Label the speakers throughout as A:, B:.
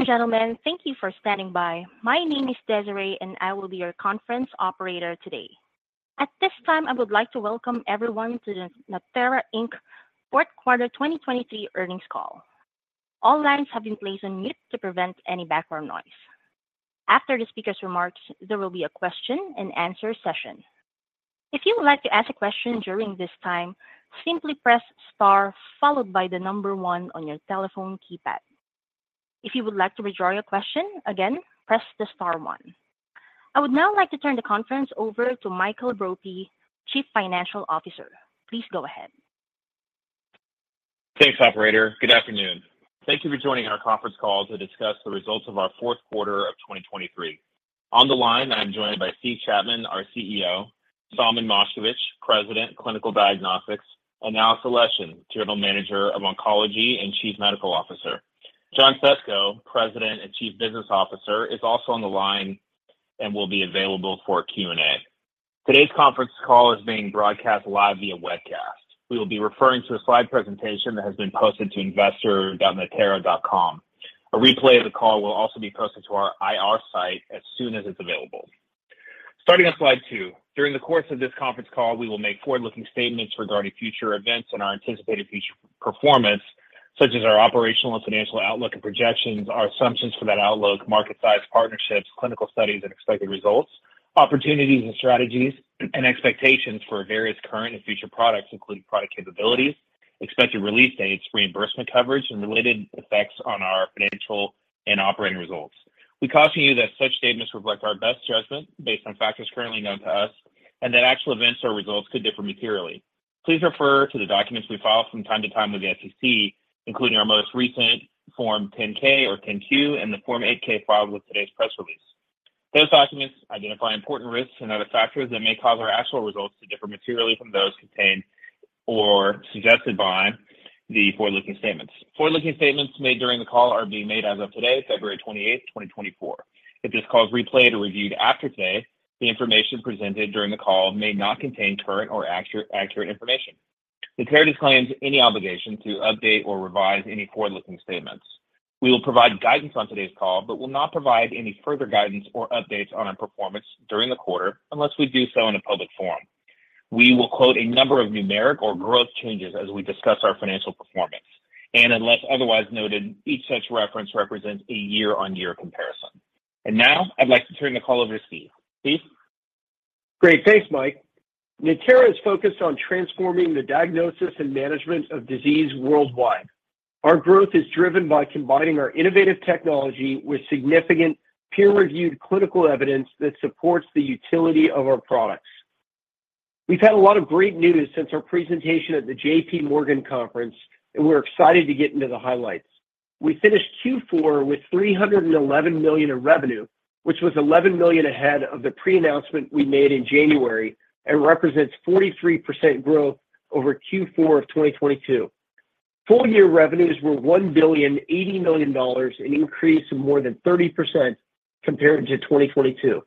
A: Ladies and gentlemen, thank you for standing by. My name is Desiree, and I will be your conference operator today. At this time, I would like to welcome everyone to the Natera, Inc Fourth Quarter 2023 Earnings Call. All lines have been placed on mute to prevent any background noise. After the speaker's remarks, there will be a question-and-answer session. If you would like to ask a question during this time, simply press star followed by the number one on your telephone keypad. If you would like to withdraw your question, again, press the star one. I would now like to turn the conference over to Michael Brophy, Chief Financial Officer. Please go ahead.
B: Thanks, operator. Good afternoon. Thank you for joining our conference call to discuss the results of our fourth quarter of 2023. On the line, I'm joined by Steve Chapman, our CEO, Solomon Moshkevich, President, Clinical Diagnostics, and Alexey Aleshin, General Manager of Oncology and Chief Medical Officer. John Fesko, President and Chief Business Officer, is also on the line and will be available for Q&A. Today's conference call is being broadcast live via webcast. We will be referring to a slide presentation that has been posted to investor.natera.com. A replay of the call will also be posted to our IR site as soon as it's available. Starting on slide two, during the course of this conference call, we will make forward-looking statements regarding future events and our anticipated future performance, such as our operational and financial outlook and projections, our assumptions for that outlook, market-sized partnerships, clinical studies, and expected results, opportunities and strategies, and expectations for various current and future products, including product capabilities, expected release dates, reimbursement coverage, and related effects on our financial and operating results. We caution you that such statements reflect our best judgment based on factors currently known to us and that actual events or results could differ materially. Please refer to the documents we file from time to time with the SEC, including our most recent Form 10-K or 10-Q and the Form 8-K filed with today's press release. Those documents identify important risks and other factors that may cause our actual results to differ materially from those contained or suggested by the forward-looking statements. Forward-looking statements made during the call are being made as of today, February 28, 2024. If this call is replayed or reviewed after today, the information presented during the call may not contain current or accurate information. Natera disclaims any obligation to update or revise any forward-looking statements. We will provide guidance on today's call but will not provide any further guidance or updates on our performance during the quarter unless we do so in a public forum. We will quote a number of numeric or growth changes as we discuss our financial performance, and unless otherwise noted, each such reference represents a year-on-year comparison. Now I'd like to turn the call over to Steve. Steve?
C: Great. Thanks, Mike. Natera is focused on transforming the diagnosis and management of disease worldwide. Our growth is driven by combining our innovative technology with significant peer-reviewed clinical evidence that supports the utility of our products. We've had a lot of great news since our presentation at the JPMorgan conference, and we're excited to get into the highlights. We finished Q4 with $311 million in revenue, which was $11 million ahead of the pre-announcement we made in January and represents 43% growth over Q4 of 2022. Full-year revenues were $1.08 billion, an increase of more than 30% compared to 2022.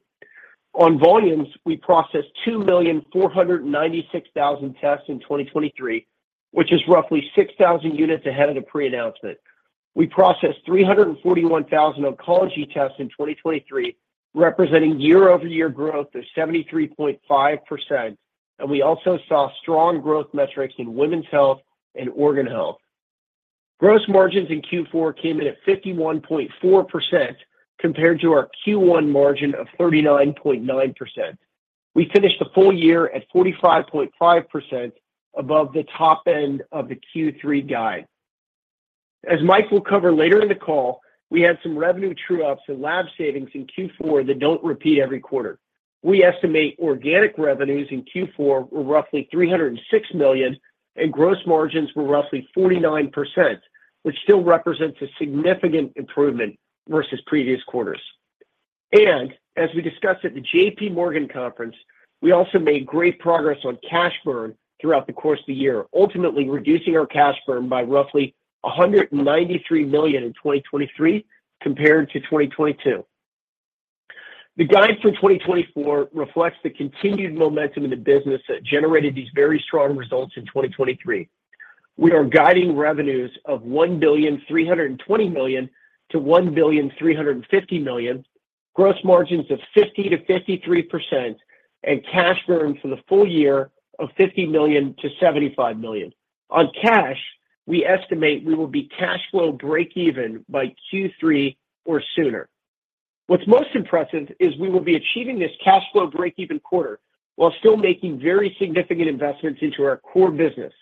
C: On volumes, we processed 2,496,000 tests in 2023, which is roughly 6,000 units ahead of the pre-announcement. We processed 341,000 oncology tests in 2023, representing year-over-year growth of 73.5%, and we also saw strong growth metrics in women's health and organ health. Gross margins in Q4 came in at 51.4% compared to our Q1 margin of 39.9%. We finished the full year at 45.5% above the top end of the Q3 guide. As Mike will cover later in the call, we had some revenue true-ups and lab savings in Q4 that don't repeat every quarter. We estimate organic revenues in Q4 were roughly $306 million, and gross margins were roughly 49%, which still represents a significant improvement versus previous quarters. And as we discussed at the JPMorgan conference, we also made great progress on cash burn throughout the course of the year, ultimately reducing our cash burn by roughly $193 million in 2023 compared to 2022. The guide for 2024 reflects the continued momentum in the business that generated these very strong results in 2023. We are guiding revenues of $1.32 billion-$1.35 billion, gross margins of 50%-53%, and cash burn for the full year of $50 million-$75 million. On cash, we estimate we will be cash flow break-even by Q3 or sooner. What's most impressive is we will be achieving this cash flow break-even quarter while still making very significant investments into our core business.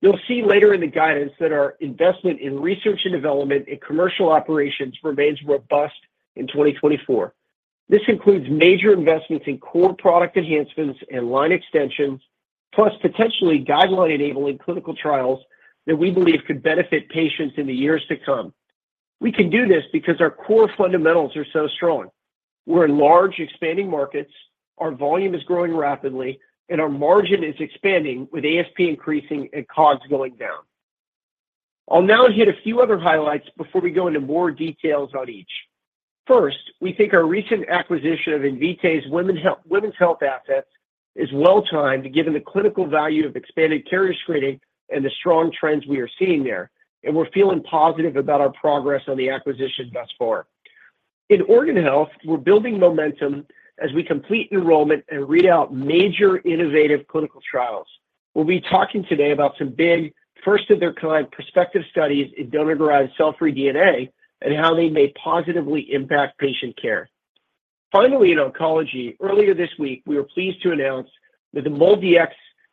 C: You'll see later in the guidance that our investment in research and development and commercial operations remains robust in 2024. This includes major investments in core product enhancements and line extensions, plus potentially guideline-enabling clinical trials that we believe could benefit patients in the years to come. We can do this because our core fundamentals are so strong. We're in large, expanding markets, our volume is growing rapidly, and our margin is expanding with ASP increasing and COGS going down. I'll now hit a few other highlights before we go into more details on each. First, we think our recent acquisition of Invitae's Women's Health Assets is well-timed given the clinical value of expanded carrier screening and the strong trends we are seeing there, and we're feeling positive about our progress on the acquisition thus far. In organ health, we're building momentum as we complete enrollment and read out major innovative clinical trials. We'll be talking today about some big, first-of-their-kind prospective studies in donor-derived cell-free DNA and how they may positively impact patient care. Finally, in oncology, earlier this week, we were pleased to announce that the MolDX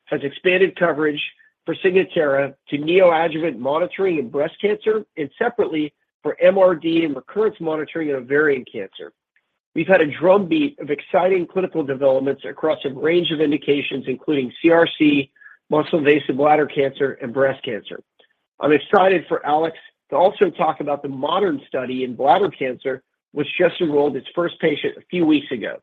C: has expanded coverage for Signatera to neoadjuvant monitoring in breast cancer and separately for MRD and recurrence monitoring in ovarian cancer. We've had a drumbeat of exciting clinical developments across a range of indications, including CRC, muscle-invasive bladder cancer, and breast cancer. I'm excited for Alex to also talk about the MODERN study in bladder cancer, which just enrolled its first patient a few weeks ago.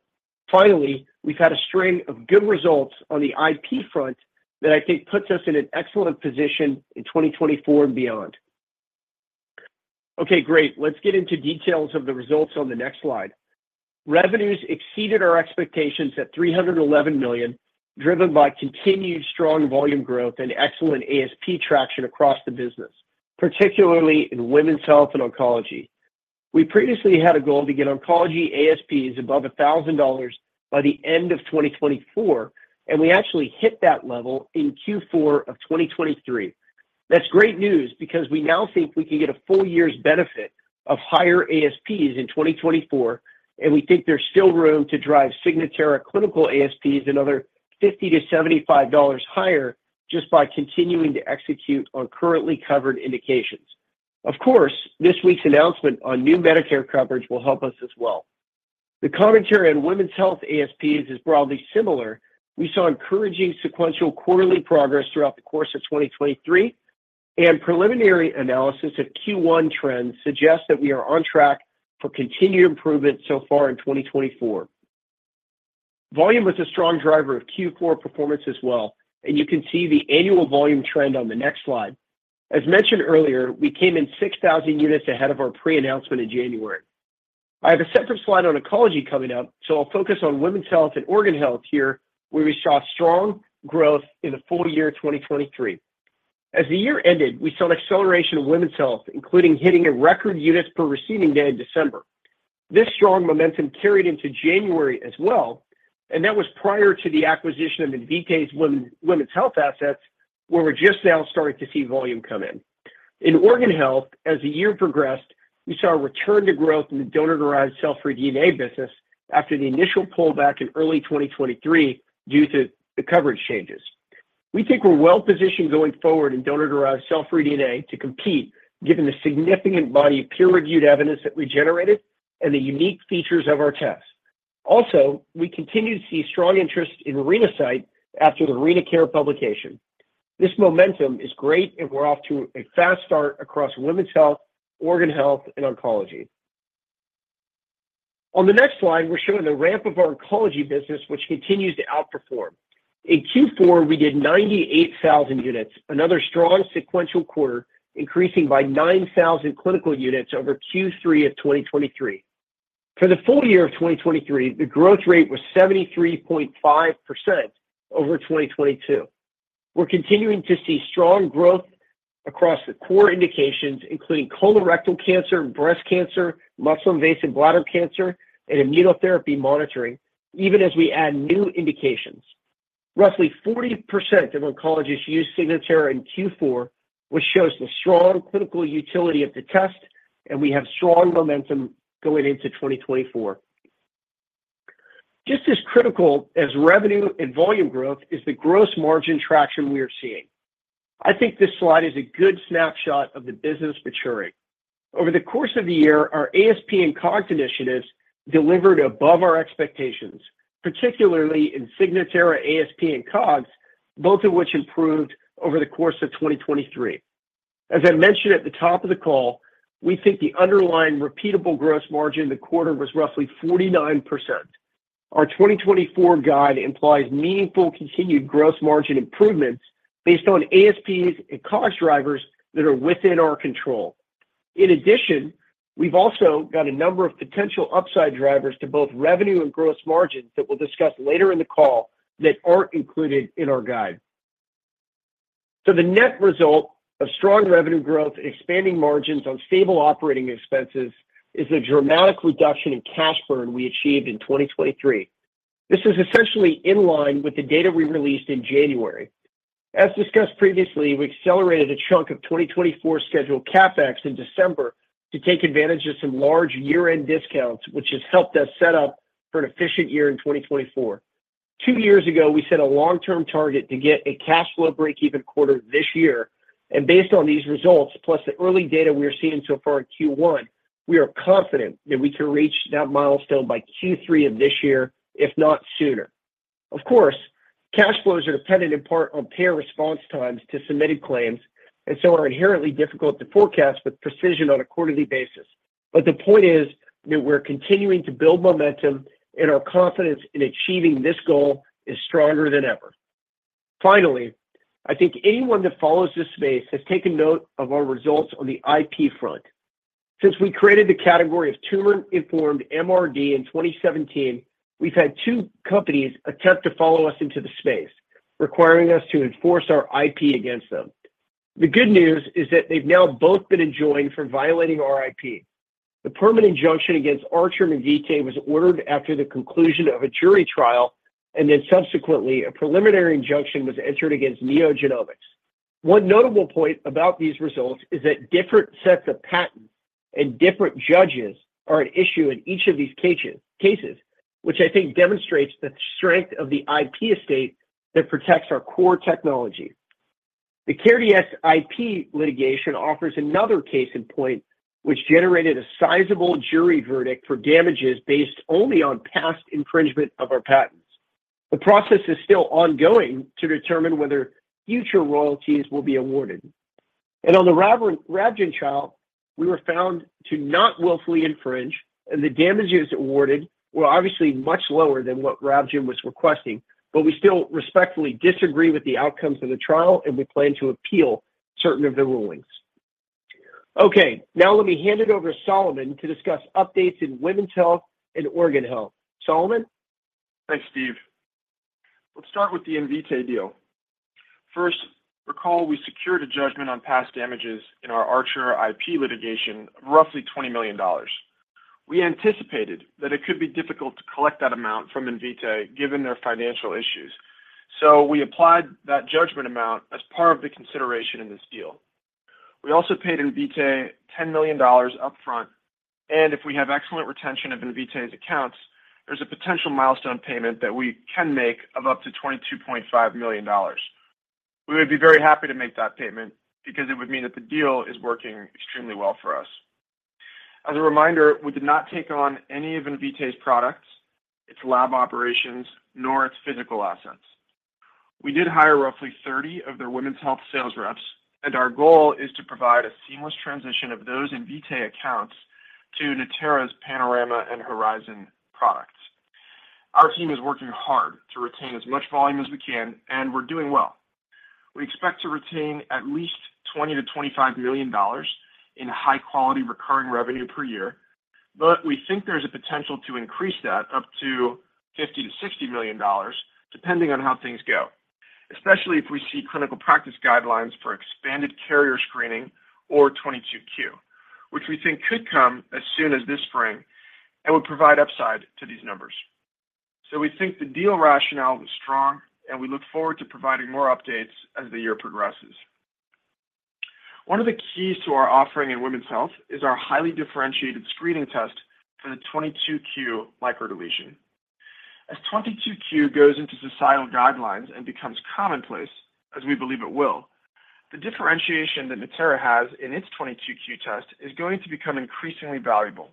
C: Finally, we've had a string of good results on the IP front that I think puts us in an excellent position in 2024 and beyond. Okay, great. Let's get into details of the results on the next slide. Revenues exceeded our expectations at $311 million, driven by continued strong volume growth and excellent ASP traction across the business, particularly in women's health and oncology. We previously had a goal to get oncology ASPs above $1,000 by the end of 2024, and we actually hit that level in Q4 of 2023. That's great news because we now think we can get a full-year's benefit of higher ASPs in 2024, and we think there's still room to drive Signatera clinical ASPs another $50-$75 higher just by continuing to execute on currently covered indications. Of course, this week's announcement on new Medicare coverage will help us as well. The commentary on women's health ASPs is broadly similar. We saw encouraging sequential quarterly progress throughout the course of 2023, and preliminary analysis of Q1 trends suggests that we are on track for continued improvement so far in 2024. Volume was a strong driver of Q4 performance as well, and you can see the annual volume trend on the next slide. As mentioned earlier, we came in 6,000 units ahead of our pre-announcement in January. I have a separate slide on oncology coming up, so I'll focus on women's health and organ health here where we saw strong growth in the full year 2023. As the year ended, we saw an acceleration in women's health, including hitting a record units per receiving day in December. This strong momentum carried into January as well, and that was prior to the acquisition of Invitae's Women's Health Assets, where we're just now starting to see volume come in. In organ health, as the year progressed, we saw a return to growth in the donor-derived cell-free DNA business after the initial pullback in early 2023 due to the coverage changes. We think we're well-positioned going forward in donor-derived cell-free DNA to compete given the significant body of peer-reviewed evidence that we generated and the unique features of our tests. Also, we continue to see strong interest in Renasight after the RenaCARE publication. This momentum is great, and we're off to a fast start across women's health, organ health, and oncology. On the next slide, we're showing the ramp of our oncology business, which continues to outperform. In Q4, we did 98,000 units, another strong sequential quarter, increasing by 9,000 clinical units over Q3 of 2023. For the full year of 2023, the growth rate was 73.5% over 2022. We're continuing to see strong growth across the core indications, including colorectal cancer, breast cancer, muscle-invasive bladder cancer, and immunotherapy monitoring, even as we add new indications. Roughly 40% of oncologists use Signatera in Q4, which shows the strong clinical utility of the test, and we have strong momentum going into 2024. Just as critical as revenue and volume growth is the gross margin traction we are seeing. I think this slide is a good snapshot of the business maturing. Over the course of the year, our ASP and COGS initiatives delivered above our expectations, particularly in Signatera ASP and COGS, both of which improved over the course of 2023. As I mentioned at the top of the call, we think the underlying repeatable gross margin in the quarter was roughly 49%. Our 2024 guide implies meaningful continued gross margin improvements based on ASPs and COGS drivers that are within our control. In addition, we've also got a number of potential upside drivers to both revenue and gross margins that we'll discuss later in the call that aren't included in our guide. So the net result of strong revenue growth and expanding margins on stable operating expenses is the dramatic reduction in cash burn we achieved in 2023. This is essentially in line with the data we released in January. As discussed previously, we accelerated a chunk of 2024 scheduled CapEx in December to take advantage of some large year-end discounts, which has helped us set up for an efficient year in 2024. Two years ago, we set a long-term target to get a cash flow break-even quarter this year, and based on these results, plus the early data we are seeing so far in Q1, we are confident that we can reach that milestone by Q3 of this year, if not sooner. Of course, cash flows are dependent in part on payer response times to submitted claims, and so are inherently difficult to forecast with precision on a quarterly basis. But the point is that we're continuing to build momentum, and our confidence in achieving this goal is stronger than ever. Finally, I think anyone that follows this space has taken note of our results on the IP front. Since we created the category of tumor-informed MRD in 2017, we've had two companies attempt to follow us into the space, requiring us to enforce our IP against them. The good news is that they've now both been enjoined for violating our IP. The permanent injunction against Archer and Invitae was ordered after the conclusion of a jury trial, and then subsequently, a preliminary injunction was entered against NeoGenomics. One notable point about these results is that different sets of patents and different judges are at issue in each of these cases, which I think demonstrates the strength of the IP estate that protects our core technology. The Caris IP litigation offers another case in point, which generated a sizable jury verdict for damages based only on past infringement of our patents. The process is still ongoing to determine whether future royalties will be awarded. On the Ravgen trial, we were found to not willfully infringe, and the damages awarded were obviously much lower than what Ravgen was requesting, but we still respectfully disagree with the outcomes of the trial, and we plan to appeal certain of the rulings. Okay, now let me hand it over to Solomon to discuss updates in women's health and organ health. Solomon?
D: Thanks, Steve. Let's start with the Invitae deal. First, recall we secured a judgment on past damages in our Archer IP litigation of roughly $20 million. We anticipated that it could be difficult to collect that amount from Invitae given their financial issues, so we applied that judgment amount as part of the consideration in this deal. We also paid Invitae $10 million upfront, and if we have excellent retention of Invitae's accounts, there's a potential milestone payment that we can make of up to $22.5 million. We would be very happy to make that payment because it would mean that the deal is working extremely well for us. As a reminder, we did not take on any of Invitae's products, its lab operations, nor its physical assets. We did hire roughly 30 of their women's health sales reps, and our goal is to provide a seamless transition of those Invitae accounts to Natera's Panorama and Horizon products. Our team is working hard to retain as much volume as we can, and we're doing well. We expect to retain at least $20 million-$25 million in high-quality recurring revenue per year, but we think there's a potential to increase that up to $50 million-$60 million, depending on how things go, especially if we see clinical practice guidelines for expanded carrier screening or 22q, which we think could come as soon as this spring and would provide upside to these numbers. So we think the deal rationale was strong, and we look forward to providing more updates as the year progresses. One of the keys to our offering in women's health is our highly differentiated screening test for the 22q microdeletion. As 22q goes into societal guidelines and becomes commonplace, as we believe it will, the differentiation that Natera has in its 22q test is going to become increasingly valuable.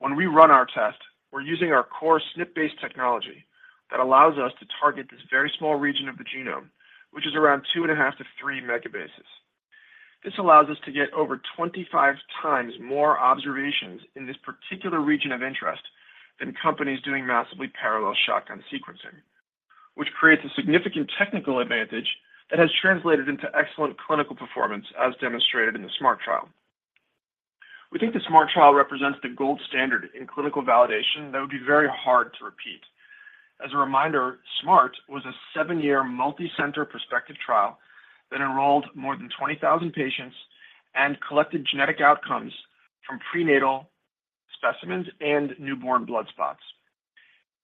D: When we run our test, we're using our core SNP-based technology that allows us to target this very small region of the genome, which is around 2.5-3 megabases. This allows us to get over 25 times more observations in this particular region of interest than companies doing massively parallel shotgun sequencing, which creates a significant technical advantage that has translated into excellent clinical performance, as demonstrated in the SMART trial. We think the SMART trial represents the gold standard in clinical validation that would be very hard to repeat. As a reminder, SMART was a seven-year multi-center prospective trial that enrolled more than 20,000 patients and collected genetic outcomes from prenatal specimens and newborn blood spots.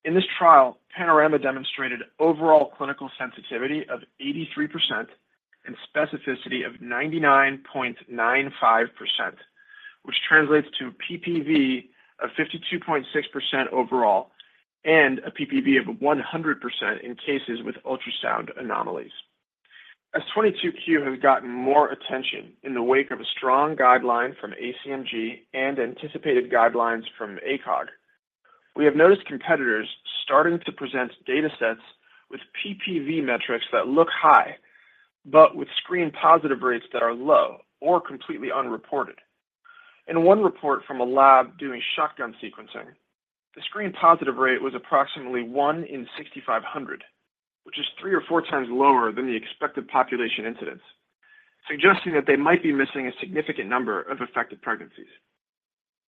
D: In this trial, Panorama demonstrated overall clinical sensitivity of 83% and specificity of 99.95%, which translates to a PPV of 52.6% overall and a PPV of 100% in cases with ultrasound anomalies. As 22q has gotten more attention in the wake of a strong guideline from ACMG and anticipated guidelines from ACOG, we have noticed competitors starting to present datasets with PPV metrics that look high but with screen positive rates that are low or completely unreported. In one report from a lab doing shotgun sequencing, the screen positive rate was approximately one in 6,500, which is three or four times lower than the expected population incidence, suggesting that they might be missing a significant number of affected pregnancies.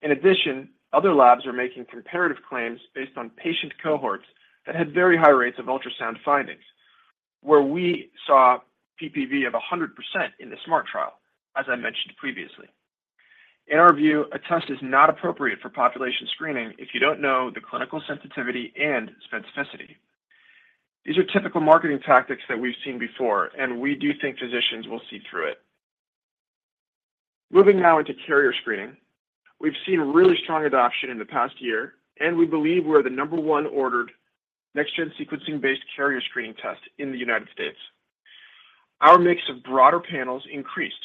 D: In addition, other labs were making comparative claims based on patient cohorts that had very high rates of ultrasound findings, where we saw PPV of 100% in the SMART trial, as I mentioned previously. In our view, a test is not appropriate for population screening if you don't know the clinical sensitivity and specificity. These are typical marketing tactics that we've seen before, and we do think physicians will see through it. Moving now into carrier screening, we've seen really strong adoption in the past year, and we believe we're the number one ordered next-gen sequencing-based carrier screening test in the United States. Our mix of broader panels increased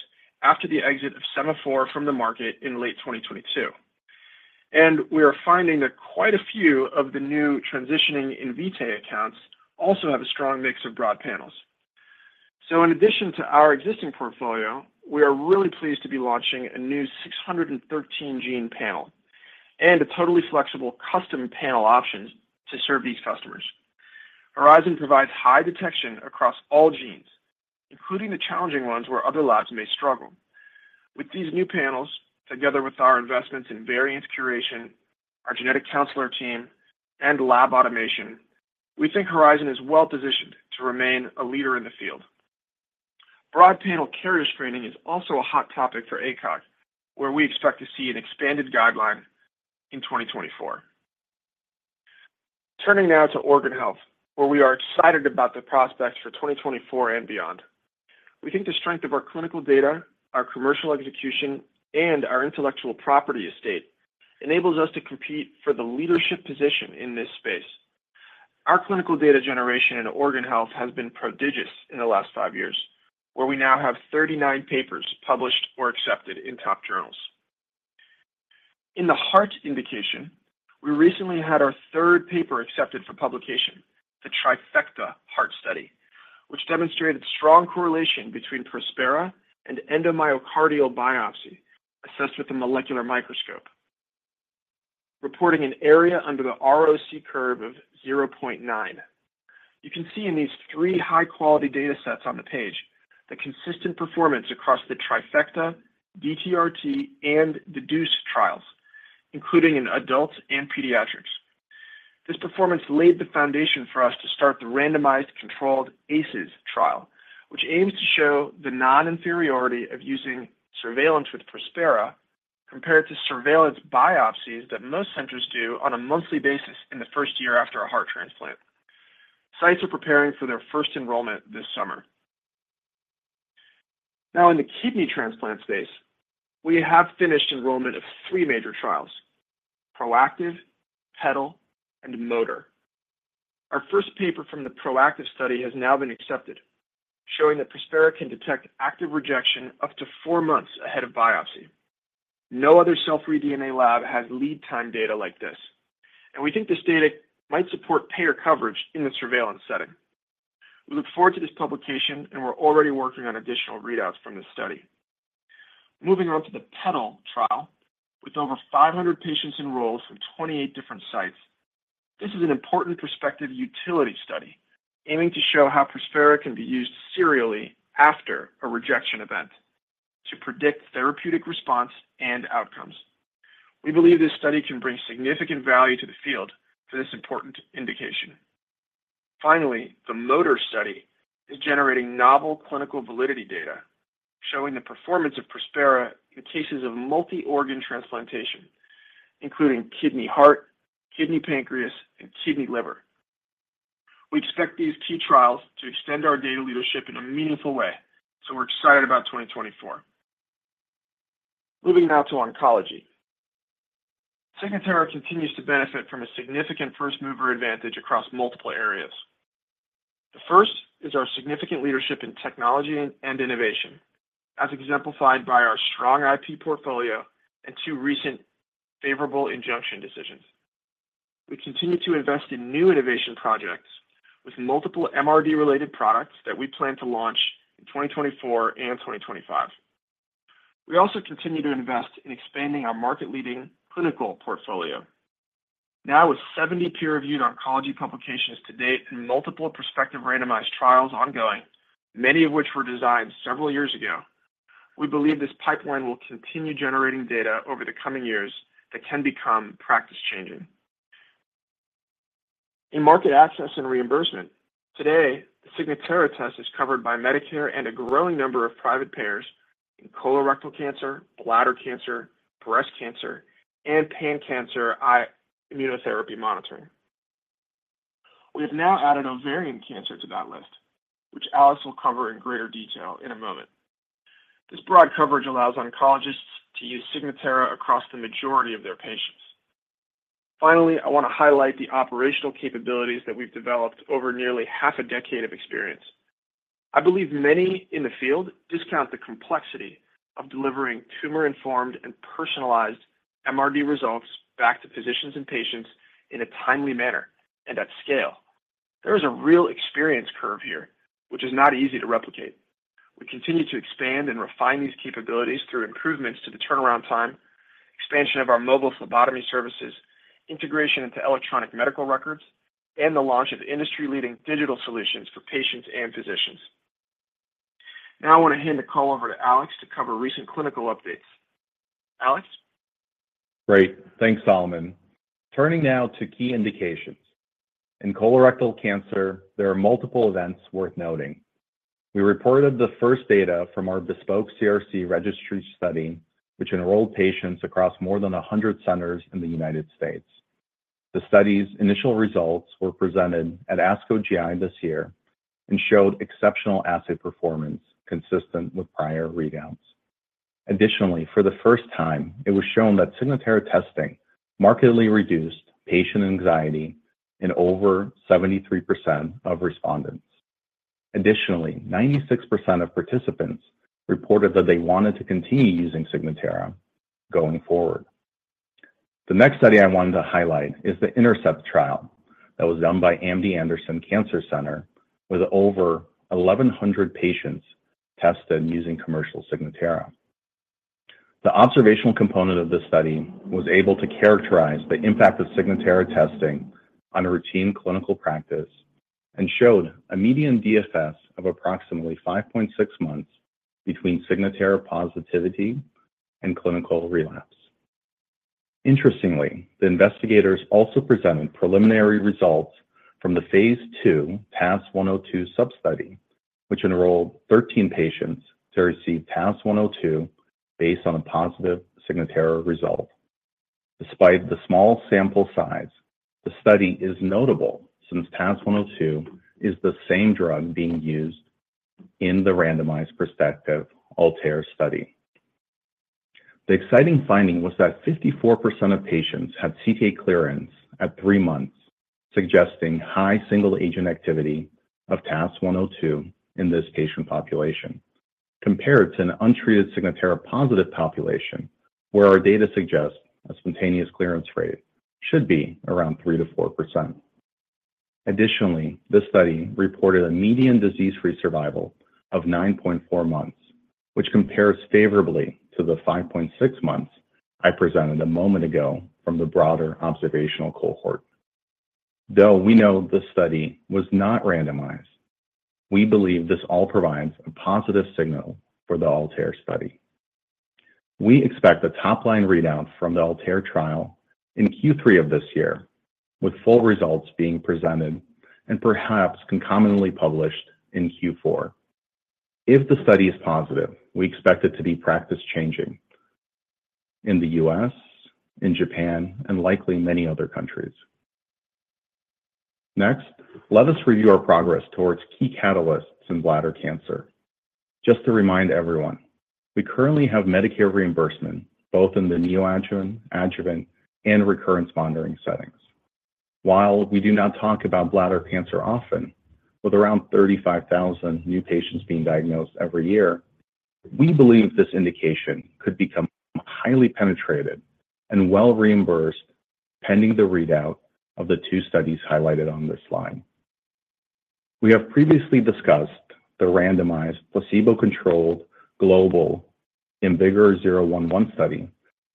D: after the exit of Sema4 from the market in late 2022, and we are finding that quite a few of the new transitioning Invitae accounts also have a strong mix of broad panels. In addition to our existing portfolio, we are really pleased to be launching a new 613-gene panel and a totally flexible custom panel option to serve these customers. Horizon provides high detection across all genes, including the challenging ones where other labs may struggle. With these new panels, together with our investments in variance curation, our genetic counselor team, and lab automation, we think Horizon is well-positioned to remain a leader in the field. Broad panel carrier screening is also a hot topic for ACOG, where we expect to see an expanded guideline in 2024. Turning now to organ health, where we are excited about the prospects for 2024 and beyond, we think the strength of our clinical data, our commercial execution, and our intellectual property estate enables us to compete for the leadership position in this space. Our clinical data generation in organ health has been prodigious in the last five years, where we now have 39 papers published or accepted in top journals. In the HEART indication, we recently had our third paper accepted for publication, the TRIFECTA HEART study, which demonstrated strong correlation between Prospera and endomyocardial biopsy assessed with a molecular microscope, reporting an area under the ROC curve of 0.9. You can see in these three high-quality datasets on the page the consistent performance across the TRIFECTA, D-TRT, and DDUSE trials, including in adults and pediatrics. This performance laid the foundation for us to start the randomized controlled ACES trial, which aims to show the non-inferiority of using surveillance with Prospera compared to surveillance biopsies that most centers do on a monthly basis in the first year after a heart transplant. Sites are preparing for their first enrollment this summer. Now, in the kidney transplant space, we have finished enrollment of three major trials: PROactive, PETAL, and MOTOR. Our first paper from the PROactive study has now been accepted, showing that Prospera can detect active rejection up to four months ahead of biopsy. No other cell-free DNA lab has lead-time data like this, and we think this data might support payer coverage in the surveillance setting. We look forward to this publication, and we're already working on additional readouts from this study. Moving on to the PETAL trial, with over 500 patients enrolled from 28 different sites, this is an important prospective utility study aiming to show how Prospera can be used serially after a rejection event to predict therapeutic response and outcomes. We believe this study can bring significant value to the field for this important indication. Finally, the multi-organ study is generating novel clinical validity data, showing the performance of Prospera in cases of multi-organ transplantation, including kidney-heart, kidney-pancreas, and kidney-liver. We expect these key trials to extend our data leadership in a meaningful way, so we're excited about 2024. Moving now to oncology, Signatera continues to benefit from a significant first-mover advantage across multiple areas. The first is our significant leadership in technology and innovation, as exemplified by our strong IP portfolio and two recent favorable injunction decisions. We continue to invest in new innovation projects with multiple MRD-related products that we plan to launch in 2024 and 2025. We also continue to invest in expanding our market-leading clinical portfolio. Now, with 70 peer-reviewed oncology publications to date and multiple prospective randomized trials ongoing, many of which were designed several years ago, we believe this pipeline will continue generating data over the coming years that can become practice-changing. In market access and reimbursement, today, the Signatera test is covered by Medicare and a growing number of private payers in colorectal cancer, bladder cancer, breast cancer, and pan-cancer immunotherapy monitoring. We have now added ovarian cancer to that list, which Alex will cover in greater detail in a moment. This broad coverage allows oncologists to use Signatera across the majority of their patients. Finally, I want to highlight the operational capabilities that we've developed over nearly half a decade of experience. I believe many in the field discount the complexity of delivering tumor-informed and personalized MRD results back to physicians and patients in a timely manner and at scale. There is a real experience curve here, which is not easy to replicate. We continue to expand and refine these capabilities through improvements to the turnaround time, expansion of our mobile phlebotomy services, integration into electronic medical records, and the launch of industry-leading digital solutions for patients and physicians. Now, I want to hand the call over to Alex to cover recent clinical updates. Alex?
E: Great. Thanks, Solomon. Turning now to key indications. In colorectal cancer, there are multiple events worth noting. We reported the first data from our Bespoke CRC registry study, which enrolled patients across more than 100 centers in the United States. The study's initial results were presented at ASCO GI this year and showed exceptional assay performance consistent with prior readouts. Additionally, for the first time, it was shown that Signatera testing markedly reduced patient anxiety in over 73% of respondents. Additionally, 96% of participants reported that they wanted to continue using Signatera going forward. The next study I wanted to highlight is the INTERCEPT trial that was done by MD Anderson Cancer Center with over 1,100 patients tested using commercial Signatera. The observational component of this study was able to characterize the impact of. Signatera testing on routine clinical practice and showed a median DFS of approximately 5.6 months between Signatera positivity and clinical relapse. Interestingly, the investigators also presented preliminary results from the phase II TAS-102 substudy, which enrolled 13 patients to receive TAS-102 based on a positive Signatera result. Despite the small sample size, the study is notable since TAS-102 is the same drug being used in the randomized prospective ALTAIR study. The exciting finding was that 54% of patients had CT clearance at three months, suggesting high single-agent activity of TAS-102 in this patient population compared to an untreated Signatera positive population, where our data suggests a spontaneous clearance rate should be around 3%-4%. Additionally, this study reported a median disease-free survival of 9.4 months, which compares favorably to the 5.6 months I presented a moment ago from the broader observational cohort. Though we know this study was not randomized, we believe this all provides a positive signal for the ALTAIR study. We expect the top-line readout from the ALTAIR trial in Q3 of this year, with full results being presented and perhaps concomitantly published in Q4. If the study is positive, we expect it to be practice-changing in the U.S., in Japan, and likely many other countries. Next, let us review our progress towards key catalysts in bladder cancer. Just to remind everyone, we currently have Medicare reimbursement both in the neoadjuvant, adjuvant, and recurrence monitoring settings. While we do not talk about bladder cancer often, with around 35,000 new patients being diagnosed every year, we believe this indication could become highly penetrated and well-reimbursed pending the readout of the two studies highlighted on this line. We have previously discussed the randomized placebo-controlled global IMvigor011 study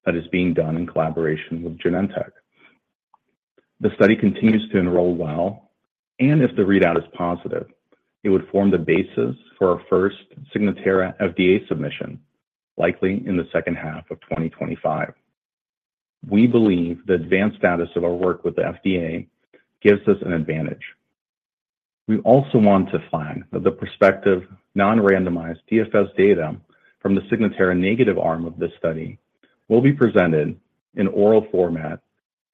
E: that is being done in collaboration with Genentech. The study continues to enroll well, and if the readout is positive, it would form the basis for our first Signatera FDA submission, likely in the second half of 2025. We believe the advanced status of our work with the FDA gives us an advantage. We also want to flag that the prospective non-randomized DFS data from the Signatera negative arm of this study will be presented in oral format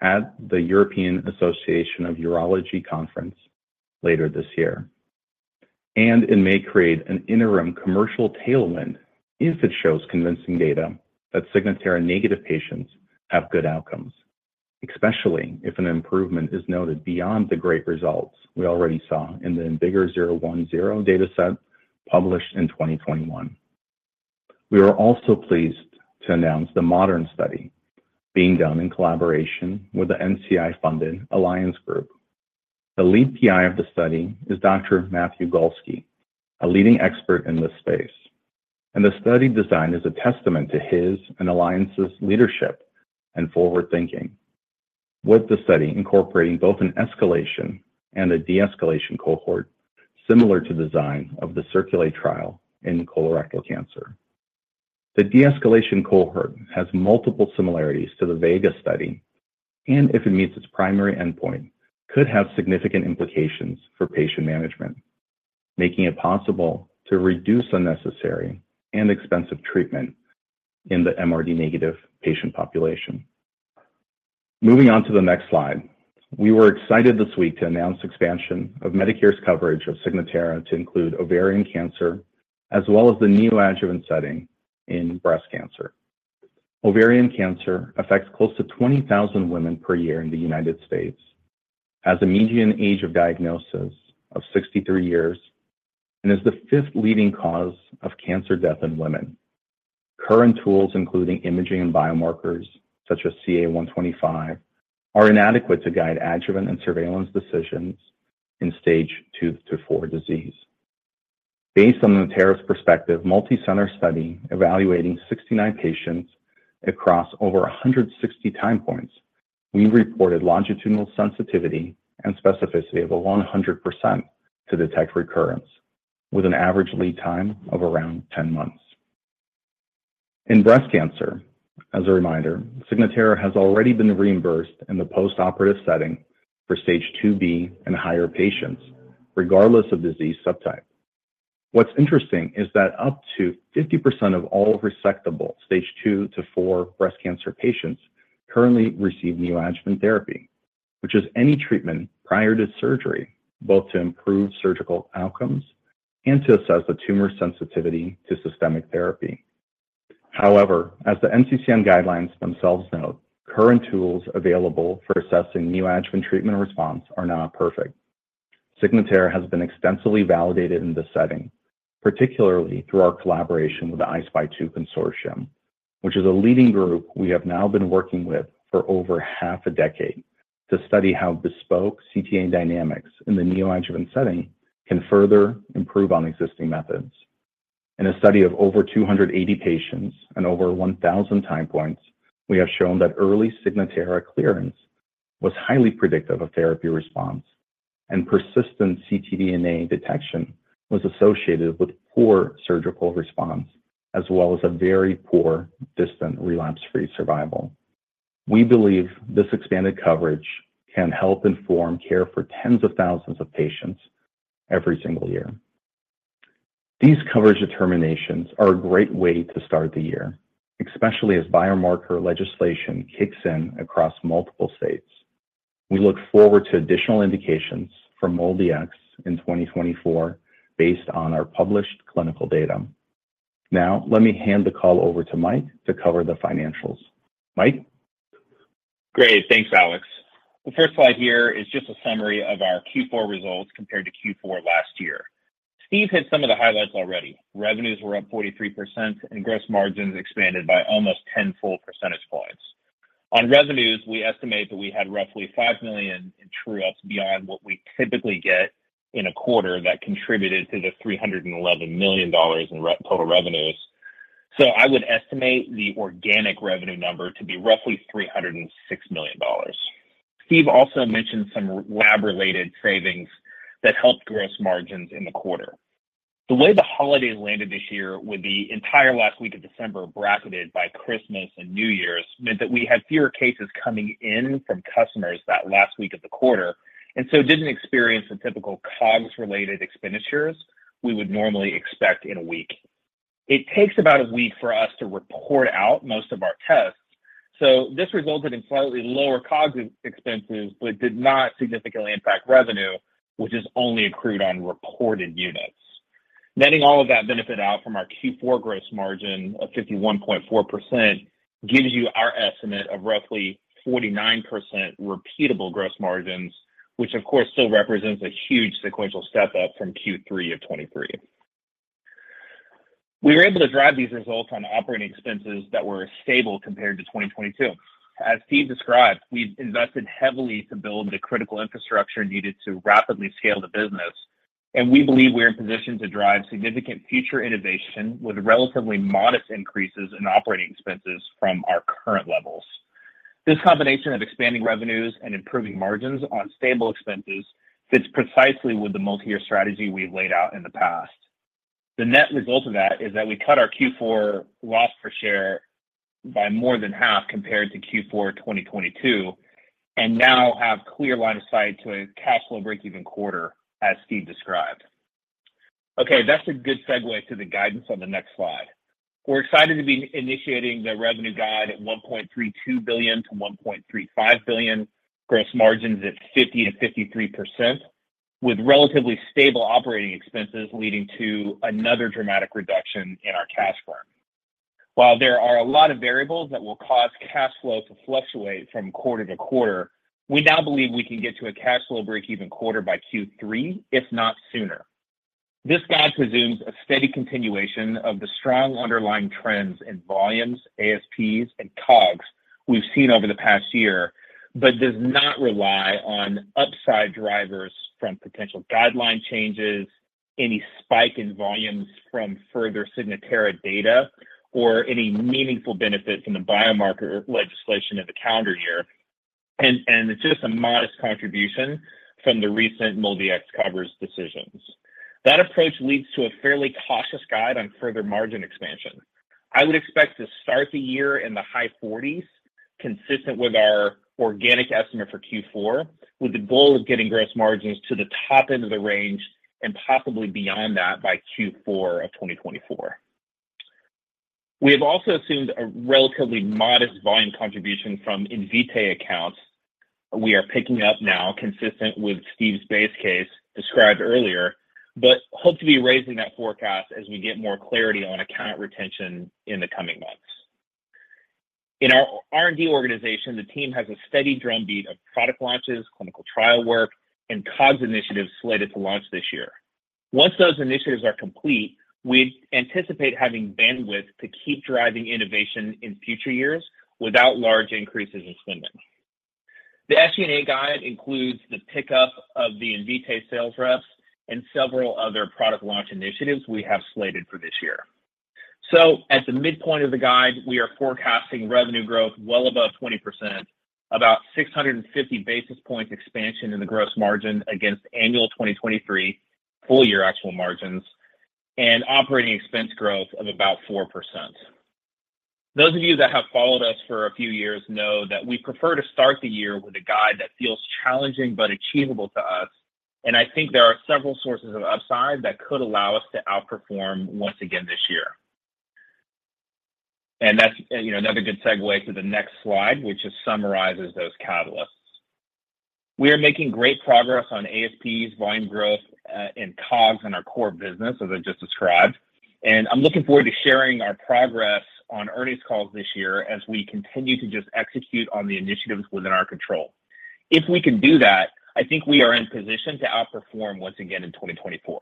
E: at the European Association of Urology conference later this year and it may create an interim commercial tailwind if it shows convincing data that Signatera negative patients have good outcomes, especially if an improvement is noted beyond the great results we already saw in the IMvigor010 dataset published in 2021. We are also pleased to announce the MODERN study being done in collaboration with the NCI-funded Alliance Group. The lead PI of the study is Dr. Matthew Galsky, a leading expert in this space, and the study design is a testament to his and Alliance's leadership and forward-thinking with the study incorporating both an escalation and a de-escalation cohort similar to the design of the CIRCULATE trial in colorectal cancer. The de-escalation cohort has multiple similarities to the VEGA study, and if it meets its primary endpoint, could have significant implications for patient management, making it possible to reduce unnecessary and expensive treatment in the MRD-negative patient population. Moving on to the next slide, we were excited this week to announce expansion of Medicare's coverage of Signatera to include ovarian cancer as well as the neoadjuvant setting in breast cancer. Ovarian cancer affects close to 20,000 women per year in the United States, has a median age of diagnosis of 63 years, and is the fifth leading cause of cancer death in women. Current tools, including imaging and biomarkers such as CA-125, are inadequate to guide adjuvant and surveillance decisions in stage II to IV disease. Based on Natera's prospective multi-center study evaluating 69 patients across over 160 time points, we reported longitudinal sensitivity and specificity of 100% to detect recurrence, with an average lead time of around 10 months. In breast cancer, as a reminder, Signatera has already been reimbursed in the postoperative setting for stage IIB and higher patients, regardless of disease subtype. What's interesting is that up to 50% of all resectable stage II to IV breast cancer patients currently receive neoadjuvant therapy, which is any treatment prior to surgery both to improve surgical outcomes and to assess the tumor sensitivity to systemic therapy. However, as the NCCN guidelines themselves note, current tools available for assessing neoadjuvant treatment response are not perfect. Signatera has been extensively validated in this setting, particularly through our collaboration with the I-SPY 2 consortium, which is a leading group we have now been working with for over half a decade to study how bespoke CTA dynamics in the neoadjuvant setting can further improve on existing methods. In a study of over 280 patients and over 1,000 time points, we have shown that early Signatera. clearance was highly predictive of therapy response, and persistent ctDNA detection was associated with poor surgical response as well as a very poor, distant relapse-free survival. We believe this expanded coverage can help inform care for tens of thousands of patients every single year. These coverage determinations are a great way to start the year, especially as biomarker legislation kicks in across multiple states. We look forward to additional indications from MolDX in 2024 based on our published clinical data. Now, let me hand the call over to Mike to cover the financials. Mike?
B: Great. Thanks, Alex. The first slide here is just a summary of our Q4 results compared to Q4 last year. Steve hit some of the highlights already. Revenues were up 43%, and gross margins expanded by almost 10 full percentage points. On revenues, we estimate that we had roughly $5 million in true-ups beyond what we typically get in a quarter that contributed to the $311 million in total revenues. So I would estimate the organic revenue number to be roughly $306 million. Steve also mentioned some lab-related savings that helped gross margins in the quarter. The way the holidays landed this year, with the entire last week of December bracketed by Christmas and New Year's, meant that we had fewer cases coming in from customers that last week of the quarter and so didn't experience the typical COGS-related expenditures we would normally expect in a week. It takes about a week for us to report out most of our tests, so this resulted in slightly lower COGS expenses but did not significantly impact revenue, which is only accrued on reported units. Netting all of that benefit out from our Q4 gross margin of 51.4% gives you our estimate of roughly 49% repeatable gross margins, which, of course, still represents a huge sequential step up from Q3 of 2023. We were able to drive these results on operating expenses that were stable compared to 2022. As Steve described, we've invested heavily to build the critical infrastructure needed to rapidly scale the business, and we believe we're in position to drive significant future innovation with relatively modest increases in operating expenses from our current levels. This combination of expanding revenues and improving margins on stable expenses fits precisely with the multi-year strategy we've laid out in the past. The net result of that is that we cut our Q4 loss per share by more than half compared to Q4 2022 and now have clear line of sight to a cash flow breakeven quarter, as Steve described. Okay, that's a good segue to the guidance on the next slide. We're excited to be initiating the revenue guide at $1.32 billion-$1.35 billion, gross margins at 50% and 53%, with relatively stable operating expenses leading to another dramatic reduction in our cash flow. While there are a lot of variables that will cause cash flow to fluctuate from quarter to quarter, we now believe we can get to a cash flow breakeven quarter by Q3, if not sooner. This guide presumes a steady continuation of the strong underlying trends in volumes, ASPs, and COGS we've seen over the past year but does not rely on upside drivers from potential guideline changes, any spike in volumes from further Signatera data, or any meaningful benefit from the biomarker legislation in the calendar year, and it's just a modest contribution from the recent MolDX coverage decisions. That approach leads to a fairly cautious guide on further margin expansion. I would expect to start the year in the high 40s, consistent with our organic estimate for Q4, with the goal of getting gross margins to the top end of the range and possibly beyond that by Q4 of 2024. We have also assumed a relatively modest volume contribution from Invitae accounts we are picking up now, consistent with Steve's base case described earlier, but hope to be raising that forecast as we get more clarity on account retention in the coming months. In our R&D organization, the team has a steady drumbeat of product launches, clinical trial work, and COGS initiatives slated to launch this year. Once those initiatives are complete, we anticipate having bandwidth to keep driving innovation in future years without large increases in spending. The SG&A guide includes the pickup of the Invitae sales reps and several other product launch initiatives we have slated for this year. So at the midpoint of the guide, we are forecasting revenue growth well above 20%, about 650 basis points expansion in the gross margin against annual 2023 full-year actual margins, and operating expense growth of about 4%. Those of you that have followed us for a few years know that we prefer to start the year with a guide that feels challenging but achievable to us, and I think there are several sources of upside that could allow us to outperform once again this year. That's another good segue to the next slide, which summarizes those catalysts. We are making great progress on ASPs, volume growth, and COGS in our core business, as I just described, and I'm looking forward to sharing our progress on earnings calls this year as we continue to just execute on the initiatives within our control. If we can do that, I think we are in position to outperform once again in 2024.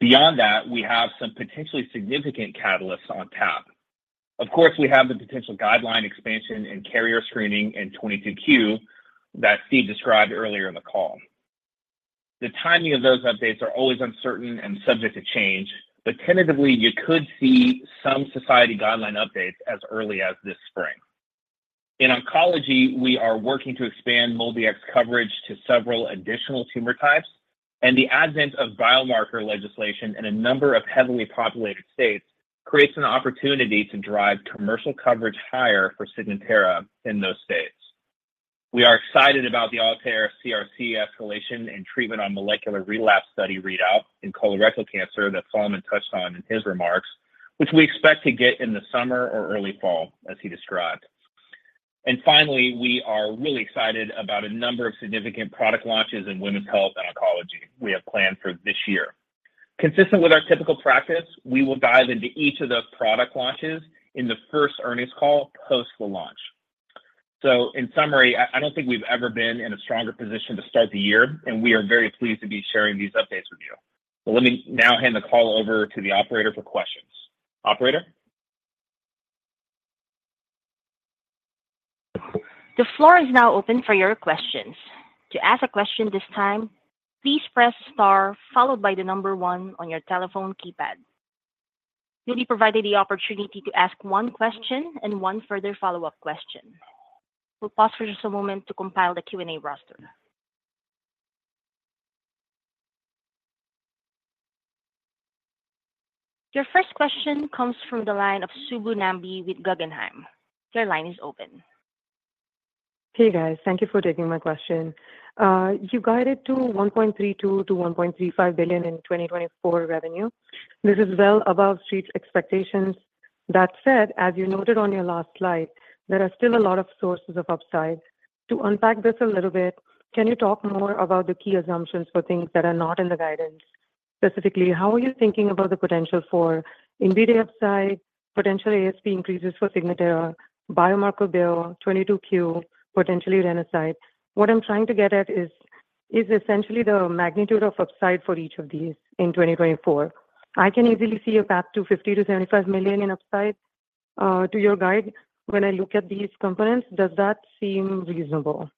B: Beyond that, we have some potentially significant catalysts on tap. Of course, we have the potential guideline expansion and carrier screening in 22q that Steve described earlier in the call. The timing of those updates are always uncertain and subject to change, but tentatively, you could see some society guideline updates as early as this spring. In oncology, we are working to expand MolDX coverage to several additional tumor types, and the advent of biomarker legislation in a number of heavily populated states creates an opportunity to drive commercial coverage higher for Signatera in those states. We are excited about the ALTAIR CRC escalation and treatment on molecular relapse study readout in colorectal cancer that Solomon touched on in his remarks, which we expect to get in the summer or early fall, as he described. Finally, we are really excited about a number of significant product launches in women's health and oncology we have planned for this year. Consistent with our typical practice, we will dive into each of those product launches in the first earnings call post the launch. In summary, I don't think we've ever been in a stronger position to start the year, and we are very pleased to be sharing these updates with you. Let me now hand the call over to the operator for questions. Operator?
A: The floor is now open for your questions. To ask a question this time, please press star followed by the number one on your telephone keypad. You'll be provided the opportunity to ask one question and one further follow-up question. We'll pause for just a moment to compile the Q&A roster. Your first question comes from the line of Subbu Nambi with Guggenheim. Your line is open.
F: Hey, guys. Thank you for taking my question. You guided to $1.32 billion-$1.35 billion in 2024 revenue. This is well above Street's expectations. That said, as you noted on your last slide, there are still a lot of sources of upside. To unpack this a little bit, can you talk more about the key assumptions for things that are not in the guidance? Specifically, how are you thinking about the potential for Invitae upside, potential ASP increases for Signatera, biomarker billing, 22q, potentially Renasight? What I'm trying to get at is essentially the magnitude of upside for each of these in 2024. I can easily see a path to $50 million-$75 million in upside to your guide. When I look at these components, does that seem reasonable?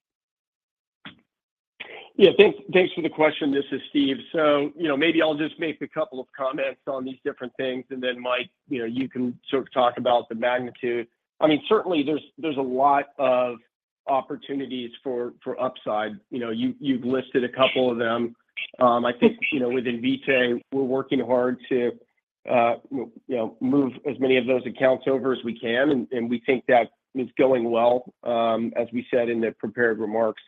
C: Yeah. Thanks for the question. This is Steve. So maybe I'll just make a couple of comments on these different things, and then Mike, you can sort of talk about the magnitude. I mean, certainly, there's a lot of opportunities for upside. You've listed a couple of them. I think with Invitae, we're working hard to move as many of those accounts over as we can, and we think that is going well, as we said in the prepared remarks.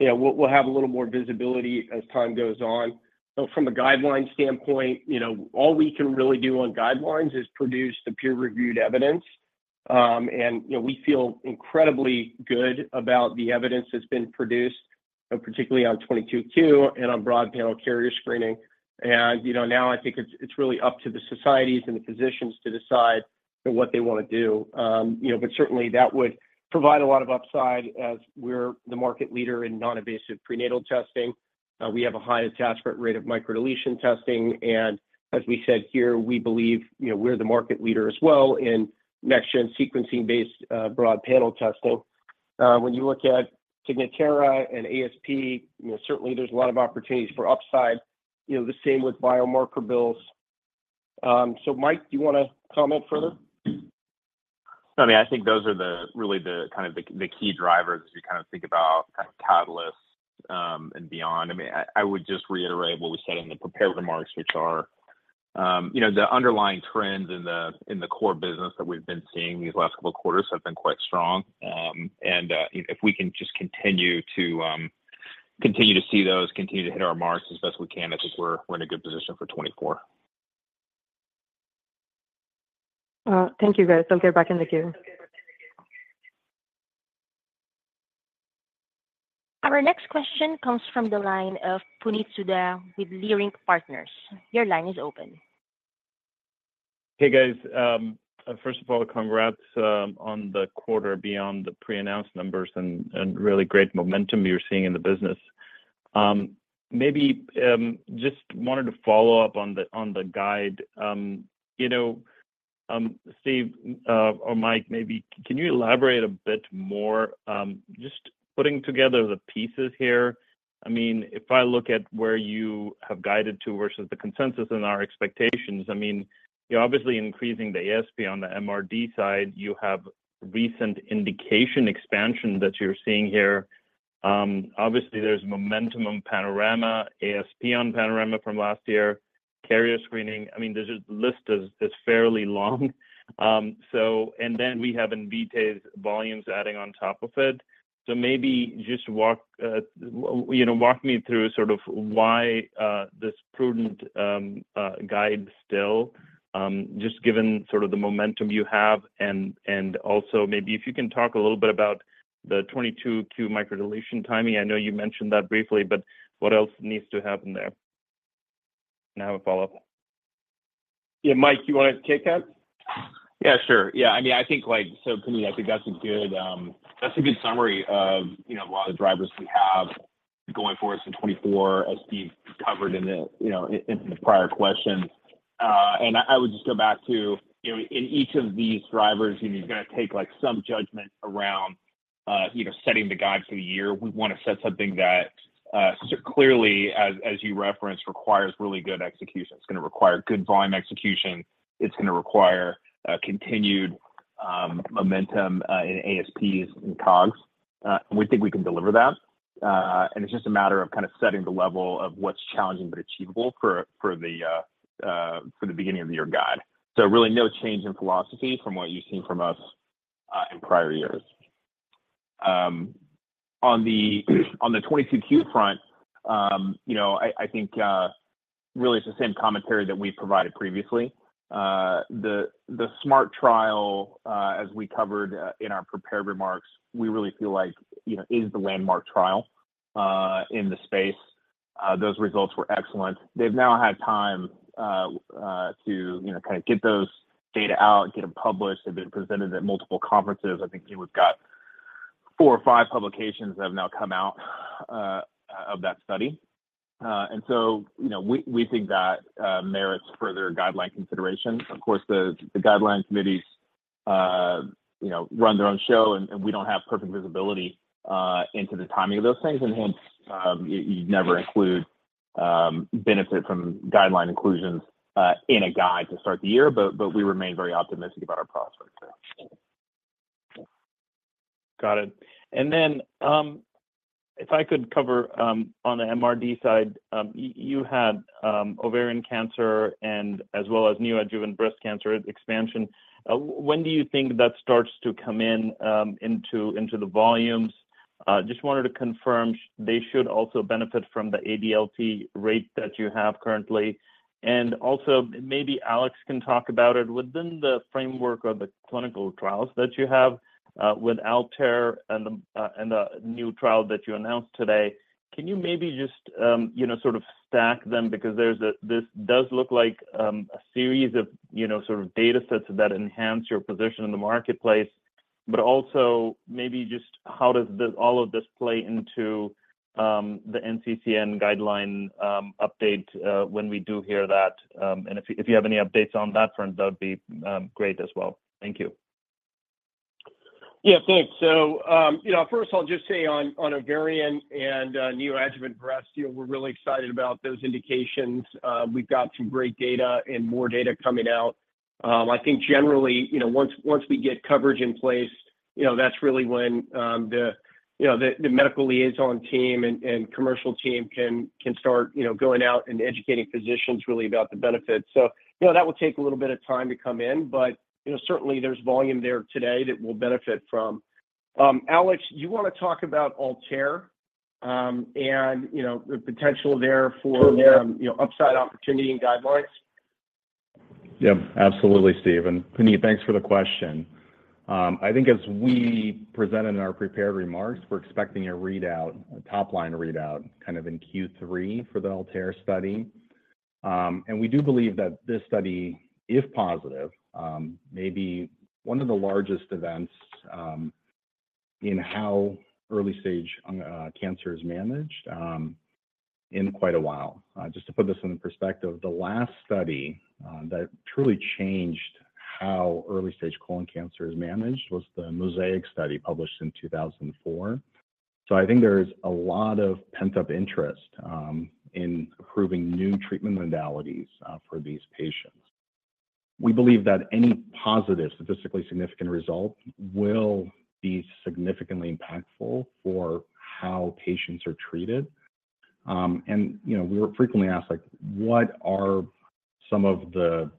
C: We'll have a little more visibility as time goes on. From a guideline standpoint, all we can really do on guidelines is produce the peer-reviewed evidence. We feel incredibly good about the evidence that's been produced, particularly on '22q and on broad panel carrier screening. Now, I think it's really up to the societies and the physicians to decide what they want to do. But certainly, that would provide a lot of upside as we're the market leader in non-invasive prenatal testing. We have a high attachment rate of microdeletion testing. And as we said here, we believe we're the market leader as well in next-gen sequencing-based broad panel testing. When you look at Signatera and ASP, certainly, there's a lot of opportunities for upside, the same with biomarker bills. So Mike, do you want to comment further?
B: I mean, I think those are really kind of the key drivers as you kind of think about catalysts and beyond. I mean, I would just reiterate what we said in the prepared remarks, which are the underlying trends in the core business that we've been seeing these last couple of quarters have been quite strong. If we can just continue to see those, continue to hit our marks as best we can, I think we're in a good position for 2024.
F: Thank you, guys. I'll get back in the queue.
A: Our next question comes from the line of Puneet Souda with Leerink Partners. Your line is open.
G: Hey, guys. First of all, congrats on the quarter beyond the pre-announced numbers and really great momentum you're seeing in the business. Maybe just wanted to follow up on the guide. Steve, or Mike, maybe can you elaborate a bit more? Just putting together the pieces here, I mean, if I look at where you have guided to versus the consensus and our expectations, I mean, obviously, increasing the ASP on the MRD side, you have recent indication expansion that you're seeing here. Obviously, there's momentum on Panorama, ASP on Panorama from last year, carrier screening. I mean, the list is fairly long. And then we have Invitae's volumes adding on top of it. So maybe just walk me through sort of why this prudent guide still, just given sort of the momentum you have, and also maybe if you can talk a little bit about the 22q microdeletion timing. I know you mentioned that briefly, but what else needs to happen there? I don't have a follow-up.
C: Yeah, Mike, you want to kick off?
B: Yeah, sure. Yeah. I mean, I think so, Puneet, I think that's a good summary of a lot of the drivers we have going for us in 2024, as Steve covered in the prior question. And I would just go back to in each of these drivers, you're going to take some judgment around setting the guide for the year. We want to set something that clearly, as you referenced, requires really good execution. It's going to require good volume execution. It's going to require continued momentum in ASPs and COGS. And we think we can deliver that. And it's just a matter of kind of setting the level of what's challenging but achievable for the beginning of the year guide. So really, no change in philosophy from what you've seen from us in prior years. On the 22q front, I think really it's the same commentary that we provided previously. The SMART trial, as we covered in our prepared remarks, we really feel like is the landmark trial in the space. Those results were excellent. They've now had time to kind of get those data out, get them published. They've been presented at multiple conferences. I think we've got four or five publications that have now come out of that study. And so we think that merits further guideline consideration. Of course, the guideline committees run their own show, and we don't have perfect visibility into the timing of those things. And hence, you'd never include benefit from guideline inclusions in a guidance to start the year, but we remain very optimistic about our prospects there.
G: Got it. And then if I could cover on the MRD side, you had ovarian cancer as well as neoadjuvant breast cancer expansion. When do you think that starts to come into the volumes? Just wanted to confirm, they should also benefit from the ADLT rate that you have currently. And also, maybe Alex can talk about it. Within the framework of the clinical trials that you have with ALTAIR and the new trial that you announced today, can you maybe just sort of stack them? Because this does look like a series of sort of data sets that enhance your position in the marketplace. But also, maybe just how does all of this play into the NCCN guideline update when we do hear that? And if you have any updates on that front, that would be great as well. Thank you.
C: Yeah, thanks. First, I'll just say on ovarian and neoadjuvant breast, we're really excited about those indications. We've got some great data and more data coming out. I think generally, once we get coverage in place, that's really when the medical liaison team and commercial team can start going out and educating physicians really about the benefits. That will take a little bit of time to come in, but certainly, there's volume there today that will benefit from. Alex, you want to talk about ALTAIR and the potential there for upside opportunity and guidelines?
E: Yeah, absolutely, Steve. And Puneet, thanks for the question. I think as we presented in our prepared remarks, we're expecting a readout, a top-line readout kind of in Q3 for the ALTAIR study. We do believe that this study, if positive, may be one of the largest events in how early-stage cancer is managed in quite a while. Just to put this in perspective, the last study that truly changed how early-stage colon cancer is managed was the MOSAIC study published in 2004. So I think there's a lot of pent-up interest in approving new treatment modalities for these patients. We believe that any positive, statistically significant result will be significantly impactful for how patients are treated. We were frequently asked, "What are some of the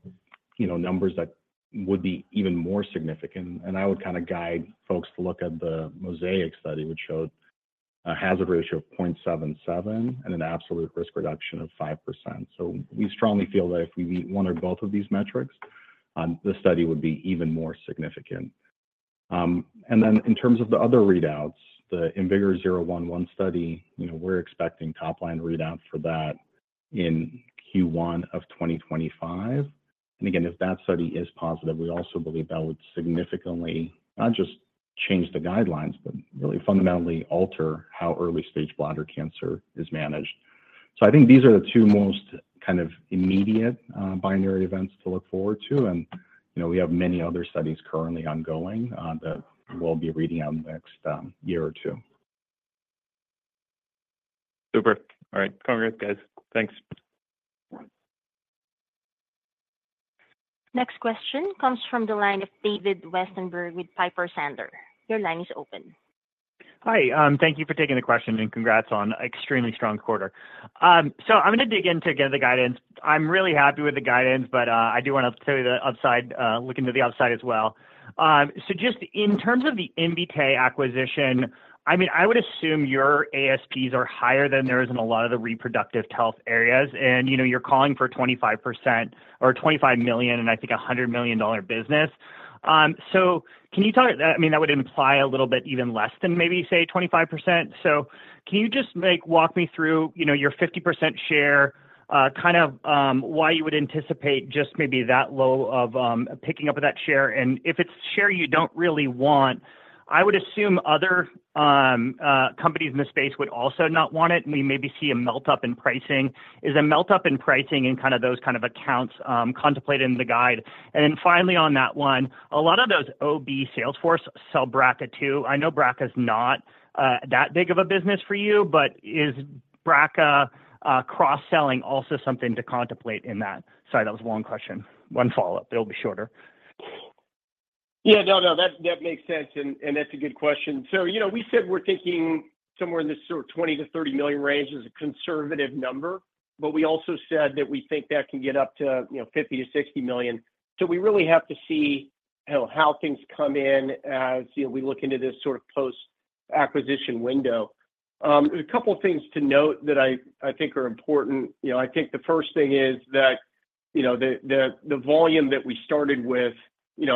E: numbers that would be even more significant?" I would kind of guide folks to look at the MOSAIC study, which showed a hazard ratio of 0.77 and an absolute risk reduction of 5%. So we strongly feel that if we meet one or both of these metrics, the study would be even more significant. Then in terms of the other readouts, the IMvigor011 study, we're expecting top-line readout for that in Q1 of 2025. And again, if that study is positive, we also believe that would significantly not just change the guidelines, but really fundamentally alter how early-stage bladder cancer is managed. So I think these are the two most kind of immediate binary events to look forward to. And we have many other studies currently ongoing that we'll be reading out next year or two.
G: Super. All right. Congrats, guys. Thanks.
A: Next question comes from the line of David Westenberg with Piper Sandler. Your line is open.
H: Hi. Thank you for taking the question, and congrats on an extremely strong quarter. So I'm going to dig into the guidance. I'm really happy with the guidance, but I do want to tell you the upside, look into the upside as well. So just in terms of the Invitae acquisition, I mean, I would assume your ASPs are higher than they are in a lot of the reproductive health areas. And you're calling for 25% or $25 million and I think $100 million business. So can you talk I mean, that would imply a little bit even less than maybe, say, 25%. So can you just walk me through your 50% share, kind of why you would anticipate just maybe that low of picking up that share? If it's share you don't really want, I would assume other companies in the space would also not want it, and we maybe see a melt-up in pricing. Is a melt-up in pricing in kind of those kind of accounts contemplated in the guide? And then finally on that one, a lot of those OB sales force sell BRCA too. I know BRCA is not that big of a business for you, but is BRCA cross-selling also something to contemplate in that? Sorry, that was one question, one follow-up. It'll be shorter.
C: Yeah, no, no. That makes sense, and that's a good question. So we said we're thinking somewhere in this sort of $20 million-$30 million range as a conservative number, but we also said that we think that can get up to $50 million-$60 million. So we really have to see how things come in as we look into this sort of post-acquisition window. There's a couple of things to note that I think are important. I think the first thing is that the volume that we started with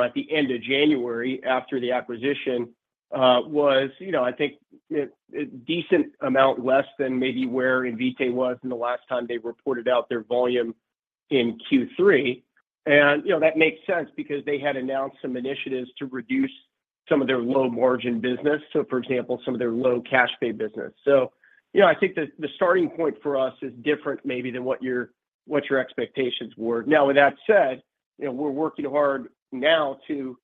C: at the end of January after the acquisition was, I think, a decent amount less than maybe where Invitae was in the last time they reported out their volume in Q3. And that makes sense because they had announced some initiatives to reduce some of their low-margin business, so for example, some of their low-cash pay business. I think the starting point for us is different maybe than what your expectations were. Now, with that said, we're working hard now to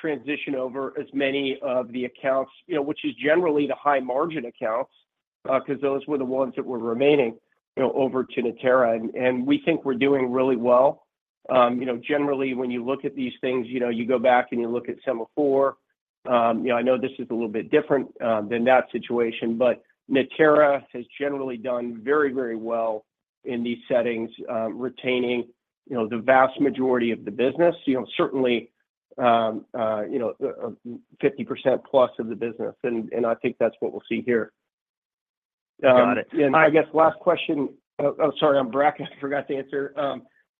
C: transition over as many of the accounts, which is generally the high-margin accounts because those were the ones that were remaining over to Natera. We think we're doing really well. Generally, when you look at these things, you go back and you look at some before. I know this is a little bit different than that situation, but Natera has generally done very, very well in these settings, retaining the vast majority of the business, certainly 50%+ of the business. I think that's what we'll see here.
H: Got it.
C: I guess last question, oh, sorry, I'm bragging. I forgot to answer.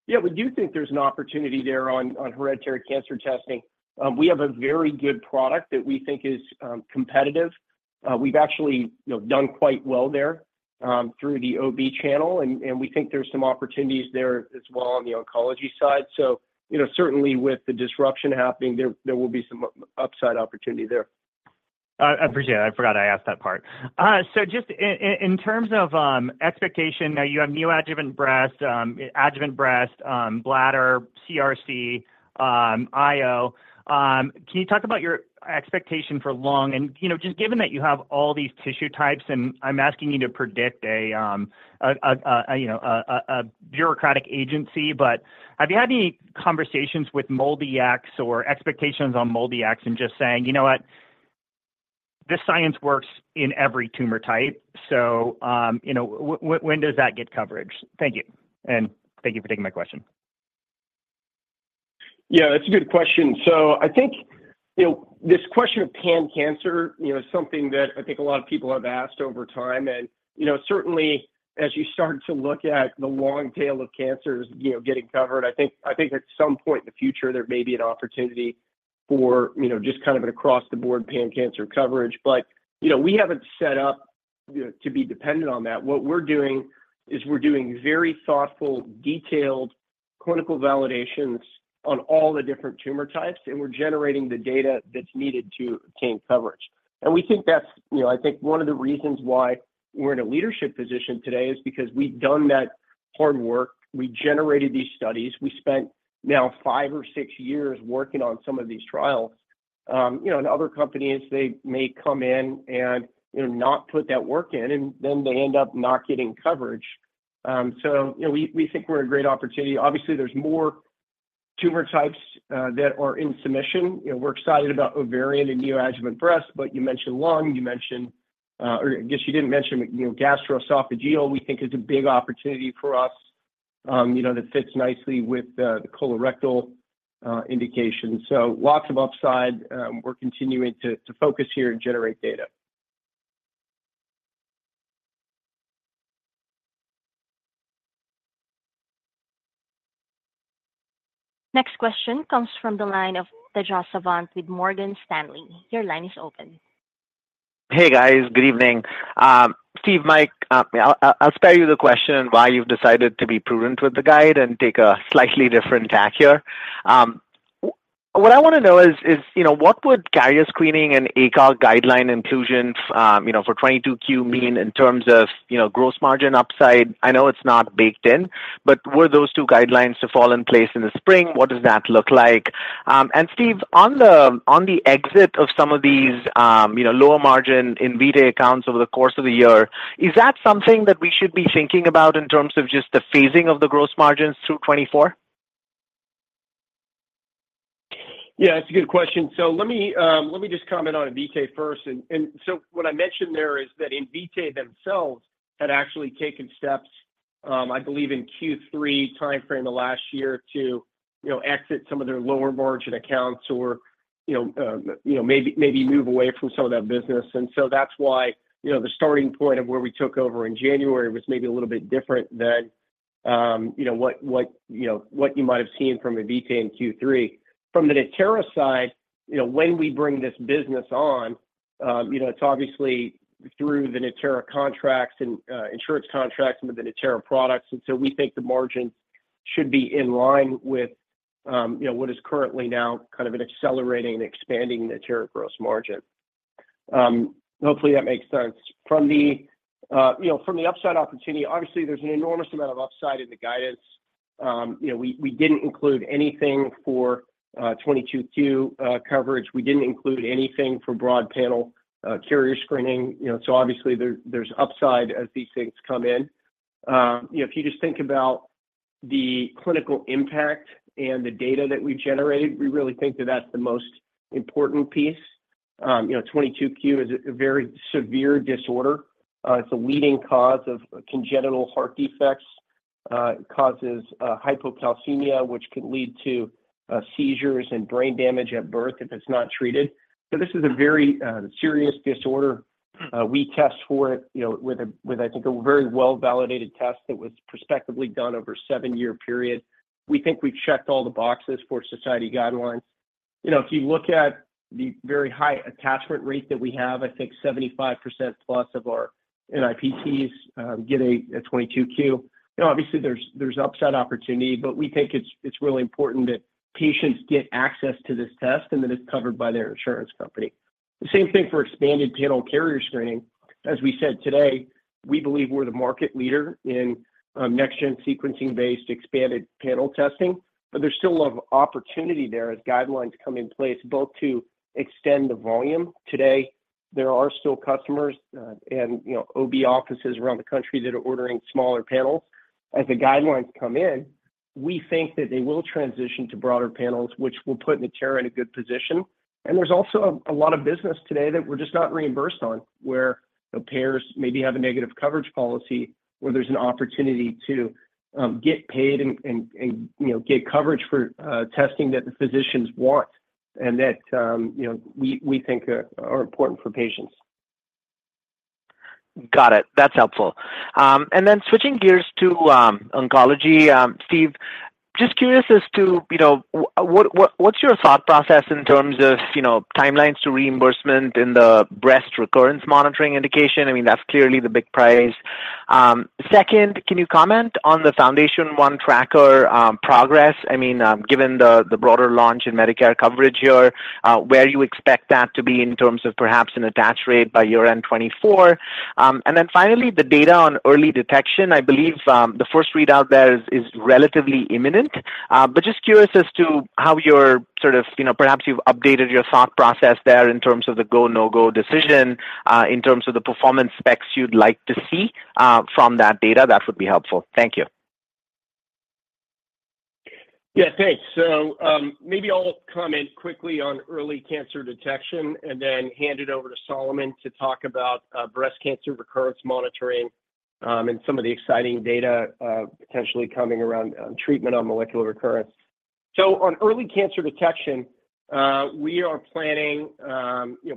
C: Yeah, we do think there's an opportunity there on hereditary cancer testing. We have a very good product that we think is competitive. We've actually done quite well there through the OB channel, and we think there's some opportunities there as well on the oncology side. So certainly, with the disruption happening, there will be some upside opportunity there.
H: I appreciate it. I forgot I asked that part. So just in terms of expectation, now you have neoadjuvant breast, adjuvant breast, bladder, CRC, IO. Can you talk about your expectation for lung? And just given that you have all these tissue types, and I'm asking you to predict a bureaucratic agency, but have you had any conversations with MolDX or expectations on MolDX and just saying, "You know what? This science works in every tumor type. So when does that get coverage?" Thank you. And thank you for taking my question.
C: Yeah, that's a good question. So I think this question of pan cancer is something that I think a lot of people have asked over time. And certainly, as you start to look at the long tail of cancers getting covered, I think at some point in the future, there may be an opportunity for just kind of an across-the-board pan cancer coverage. But we haven't set up to be dependent on that. What we're doing is we're doing very thoughtful, detailed clinical validations on all the different tumor types, and we're generating the data that's needed to obtain coverage. And we think that's I think one of the reasons why we're in a leadership position today is because we've done that hard work. We generated these studies. We spent now five or six years working on some of these trials. And other companies, they may come in and not put that work in, and then they end up not getting coverage. So we think we're in a great opportunity. Obviously, there's more tumor types that are in submission. We're excited about ovarian and neoadjuvant breast, but you mentioned lung. You mentioned or I guess you didn't mention gastroesophageal. We think it's a big opportunity for us that fits nicely with the colorectal indication. So lots of upside. We're continuing to focus here and generate data.
A: Next question comes from the line of Tejas Savant with Morgan Stanley. Your line is open.
I: Hey, guys. Good evening. Steve, Mike, I'll spare you the question and why you've decided to be prudent with the guide and take a slightly different tack here. What I want to know is what would carrier screening and ACOG guideline inclusion for 22q mean in terms of gross margin upside? I know it's not baked in, but were those two guidelines to fall in place in the spring? What does that look like? And Steve, on the exit of some of these lower-margin Invitae accounts over the course of the year, is that something that we should be thinking about in terms of just the phasing of the gross margins through 2024?
C: Yeah, that's a good question. So let me just comment on Invitae first. And so what I mentioned there is that Invitae themselves had actually taken steps, I believe, in Q3 timeframe the last year to exit some of their lower-margin accounts or maybe move away from some of that business. And so that's why the starting point of where we took over in January was maybe a little bit different than what you might have seen from Invitae in Q3. From the Natera side, when we bring this business on, it's obviously through the Natera contracts and insurance contracts and with the Natera products. And so we think the margins should be in line with what is currently now kind of an accelerating and expanding Natera gross margin. Hopefully, that makes sense. From the upside opportunity, obviously, there's an enormous amount of upside in the guidance. We didn't include anything for 22q coverage. We didn't include anything for broad panel carrier screening. So obviously, there's upside as these things come in. If you just think about the clinical impact and the data that we've generated, we really think that that's the most important piece. 22q is a very severe disorder. It's a leading cause of congenital heart defects. It causes hypocalcemia, which can lead to seizures and brain damage at birth if it's not treated. So this is a very serious disorder. We test for it with, I think, a very well-validated test that was prospectively done over a seven-year period. We think we've checked all the boxes for society guidelines. If you look at the very high attachment rate that we have, I think 75%+ of our NIPTs get a 22q. Obviously, there's upside opportunity, but we think it's really important that patients get access to this test and that it's covered by their insurance company. The same thing for expanded panel carrier screening. As we said today, we believe we're the market leader in next-gen sequencing-based expanded panel testing. But there's still a lot of opportunity there as guidelines come in place, both to extend the volume. Today, there are still customers and OB offices around the country that are ordering smaller panels. As the guidelines come in, we think that they will transition to broader panels, which will put Natera in a good position. There's also a lot of business today that we're just not reimbursed on, where payers maybe have a negative coverage policy, where there's an opportunity to get paid and get coverage for testing that the physicians want and that we think are important for patients.
I: Got it. That's helpful. And then switching gears to oncology, Steve, just curious as to what's your thought process in terms of timelines to reimbursement in the breast recurrence monitoring indication? I mean, that's clearly the big prize. Second, can you comment on the FoundationOne Tracker progress? I mean, given the broader launch in Medicare coverage here, where you expect that to be in terms of perhaps an attach rate by year-end 2024? And then finally, the data on early detection. I believe the first readout there is relatively imminent. But just curious as to how your sort of perhaps you've updated your thought process there in terms of the go, no-go decision, in terms of the performance specs you'd like to see from that data. That would be helpful. Thank you.
C: Yeah, thanks. So maybe I'll comment quickly on early cancer detection and then hand it over to Solomon to talk about breast cancer recurrence monitoring and some of the exciting data potentially coming around treatment on molecular recurrence. So on early cancer detection, we are planning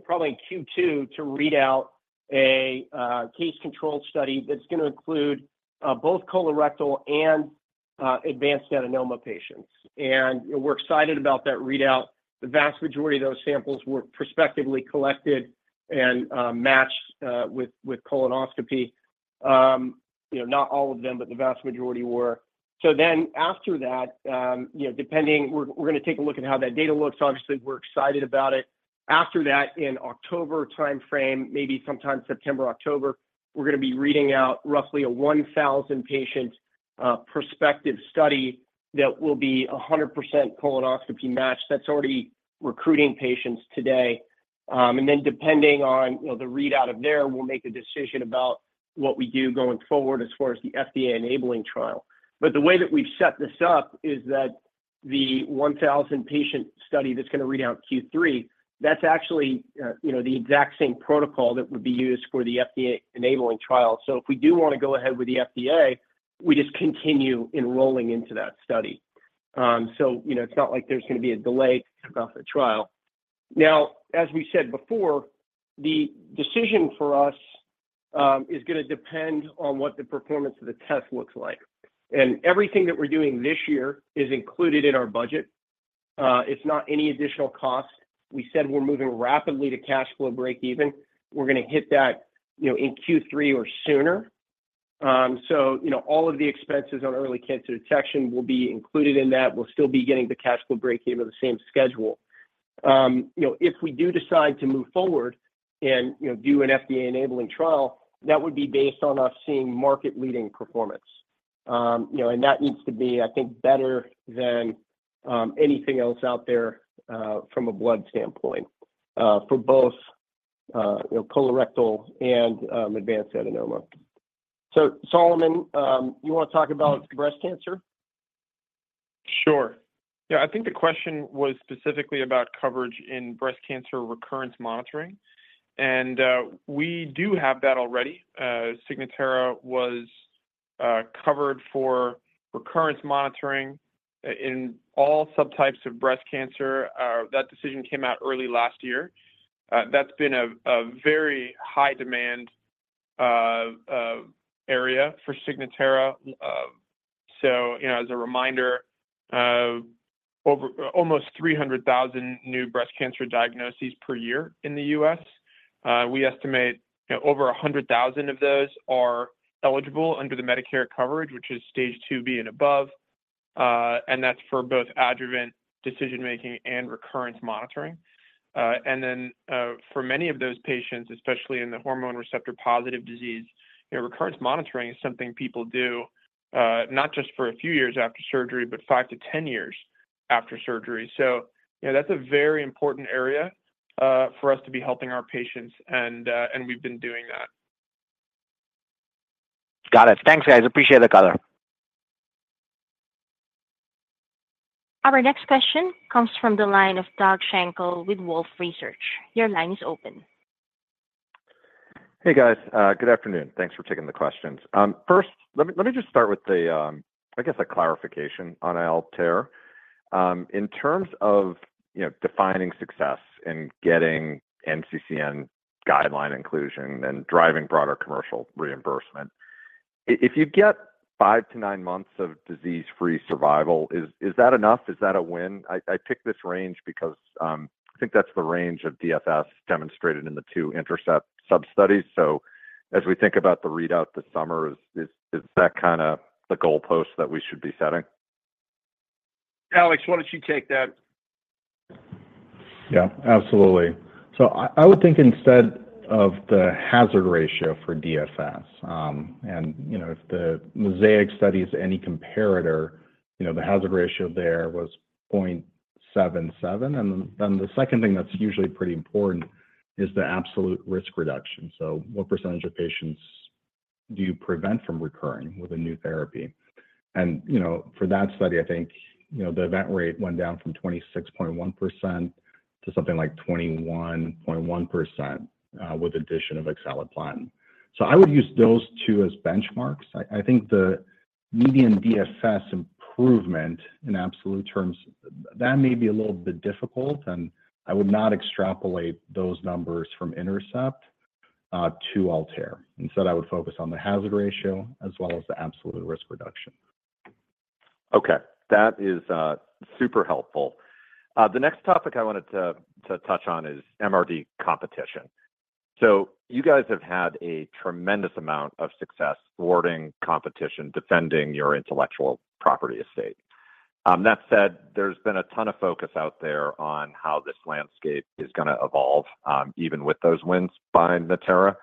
C: probably in Q2 to read out a case-controlled study that's going to include both colorectal and advanced adenoma patients. And we're excited about that readout. The vast majority of those samples were prospectively collected and matched with colonoscopy. Not all of them, but the vast majority were. So then after that, depending we're going to take a look at how that data looks. Obviously, we're excited about it. After that, in October timeframe, maybe sometime September, October, we're going to be reading out roughly a 1,000-patient prospective study that will be 100% colonoscopy matched that's already recruiting patients today. Then depending on the readout of there, we'll make a decision about what we do going forward as far as the FDA-enabling trial. The way that we've set this up is that the 1,000-patient study that's going to read out Q3, that's actually the exact same protocol that would be used for the FDA-enabling trial. If we do want to go ahead with the FDA, we just continue enrolling into that study. It's not like there's going to be a delay to kick off the trial. Now, as we said before, the decision for us is going to depend on what the performance of the test looks like. Everything that we're doing this year is included in our budget. It's not any additional cost. We said we're moving rapidly to cash flow breakeven. We're going to hit that in Q3 or sooner. So all of the expenses on early cancer detection will be included in that. We'll still be getting the cash flow breakeven at the same schedule. If we do decide to move forward and do an FDA-enabling trial, that would be based on us seeing market-leading performance. And that needs to be, I think, better than anything else out there from a blood standpoint for both colorectal and advanced adenoma. So Solomon, you want to talk about breast cancer?
D: Sure. Yeah, I think the question was specifically about coverage in breast cancer recurrence monitoring. We do have that already. Signatera was covered for recurrence monitoring in all subtypes of breast cancer. That decision came out early last year. That's been a very high-demand area for Signatera. As a reminder, almost 300,000 new breast cancer diagnoses per year in the U.S. We estimate over 100,000 of those are eligible under the Medicare coverage, which is stage 2B and above. That's for both adjuvant decision-making and recurrence monitoring. Then for many of those patients, especially in the hormone receptor-positive disease, recurrence monitoring is something people do not just for a few years after surgery, but five to 10 years after surgery. That's a very important area for us to be helping our patients, and we've been doing that.
I: Got it. Thanks, guys. Appreciate the color.
A: Our next question comes from the line of Doug Schenkel with Wolfe Research. Your line is open.
J: Hey, guys. Good afternoon. Thanks for taking the questions. First, let me just start with, I guess, a clarification on ALTAIR. In terms of defining success in getting NCCN guideline inclusion and driving broader commercial reimbursement, if you get five to nine months of disease-free survival, is that enough? Is that a win? I picked this range because I think that's the range of DFS demonstrated in the two INTERCEPT substudies. So as we think about the readout this summer, is that kind of the goalpost that we should be setting?
C: Alex, why don't you take that?
E: Yeah, absolutely. So I would think instead of the hazard ratio for DFS, and if the MOSAIC study is any comparator, the hazard ratio there was 0.77. And then the second thing that's usually pretty important is the absolute risk reduction. So what percentage of patients do you prevent from recurring with a new therapy? And for that study, I think the event rate went down from 26.1% to something like 21.1% with addition of Eloxatin. So I would use those two as benchmarks. I think the median DFS improvement in absolute terms, that may be a little bit difficult, and I would not extrapolate those numbers from INTERCEPT to ALTAIR. Instead, I would focus on the hazard ratio as well as the absolute risk reduction.
J: Okay. That is super helpful. The next topic I wanted to touch on is MRD competition. So you guys have had a tremendous amount of success warding off competition and defending your intellectual property estate. That said, there's been a ton of focus out there on how this landscape is going to evolve, even with those wins by Natera.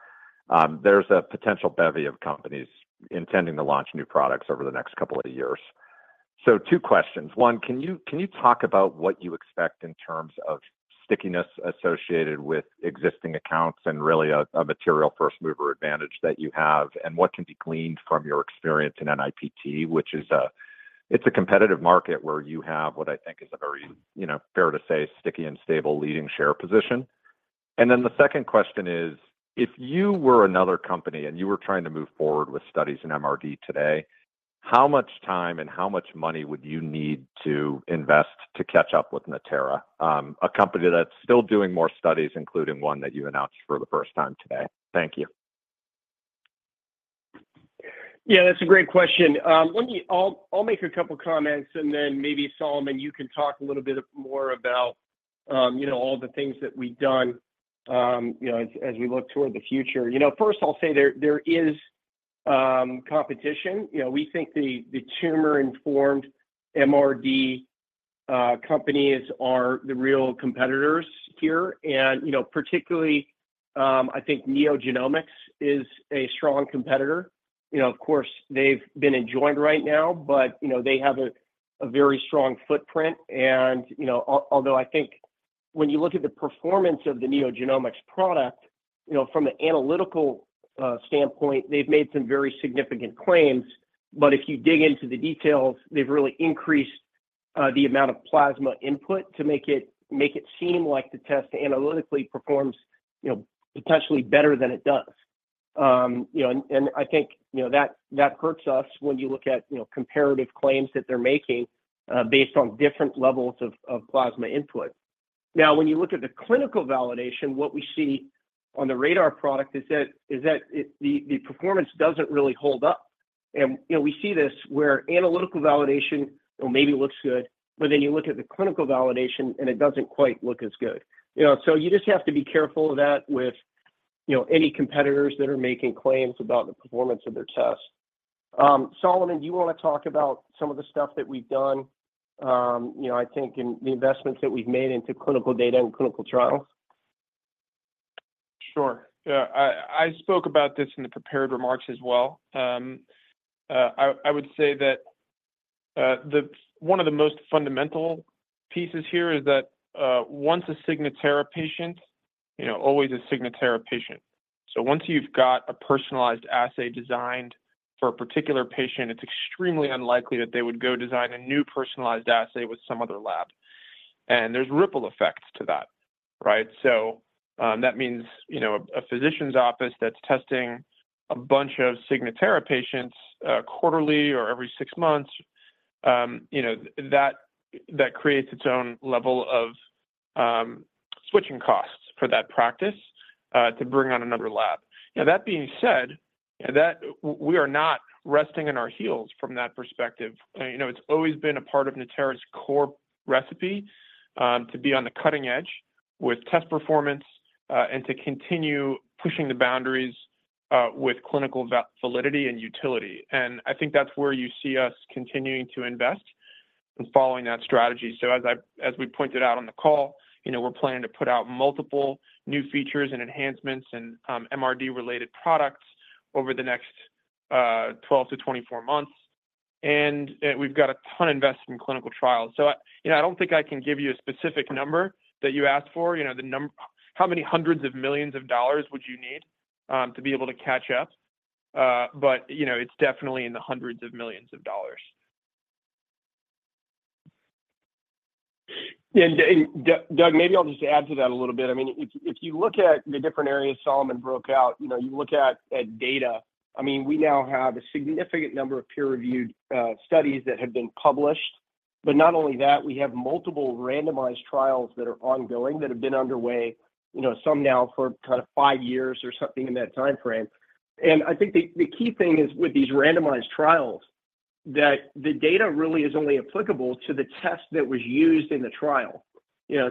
J: There's a potential bevy of companies intending to launch new products over the next couple of years. So two questions. One, can you talk about what you expect in terms of stickiness associated with existing accounts and really a material first-mover advantage that you have, and what can be gleaned from your experience in NIPT, which is a competitive market where you have what I think is a very fair to say sticky and stable leading share position? Then the second question is, if you were another company and you were trying to move forward with studies in MRD today, how much time and how much money would you need to invest to catch up with Natera, a company that's still doing more studies, including one that you announced for the first time today? Thank you.
C: Yeah, that's a great question. I'll make a couple of comments, and then maybe Solomon, you can talk a little bit more about all the things that we've done as we look toward the future. First, I'll say there is competition. We think the tumor-informed MRD companies are the real competitors here. And particularly, I think NeoGenomics is a strong competitor. Of course, they've been enjoined right now, but they have a very strong footprint. And although I think when you look at the performance of the NeoGenomics product, from the analytical standpoint, they've made some very significant claims. But if you dig into the details, they've really increased the amount of plasma input to make it seem like the test analytically performs potentially better than it does. And I think that hurts us when you look at comparative claims that they're making based on different levels of plasma input. Now, when you look at the clinical validation, what we see on the RaDaR product is that the performance doesn't really hold up. And we see this where analytical validation maybe looks good, but then you look at the clinical validation, and it doesn't quite look as good. So you just have to be careful of that with any competitors that are making claims about the performance of their tests. Solomon, do you want to talk about some of the stuff that we've done, I think, in the investments that we've made into clinical data and clinical trials?
D: Sure. Yeah, I spoke about this in the prepared remarks as well. I would say that one of the most fundamental pieces here is that once a Signatera patient always is a Signatera patient. So once you've got a personalized assay designed for a particular patient, it's extremely unlikely that they would go design a new personalized assay with some other lab. And there's ripple effects to that, right? So that means a physician's office that's testing a bunch of Signatera patients quarterly or every six months, that creates its own level of switching costs for that practice to bring on another lab. That being said, we are not resting on our heels from that perspective. It's always been a part of Natera's core recipe to be on the cutting edge with test performance and to continue pushing the boundaries with clinical validity and utility. I think that's where you see us continuing to invest and following that strategy. As we pointed out on the call, we're planning to put out multiple new features and enhancements and MRD-related products over the next 12 to 24 months. We've got a ton invested in clinical trials. I don't think I can give you a specific number that you asked for, how many hundreds of millions of dollars would you need to be able to catch up? But it's definitely in the hundreds of millions of dollars.
C: And Doug, maybe I'll just add to that a little bit. I mean, if you look at the different areas Solomon broke out, you look at data. I mean, we now have a significant number of peer-reviewed studies that have been published. But not only that, we have multiple randomized trials that are ongoing that have been underway, some now for kind of five years or something in that timeframe. And I think the key thing is with these randomized trials, that the data really is only applicable to the test that was used in the trial.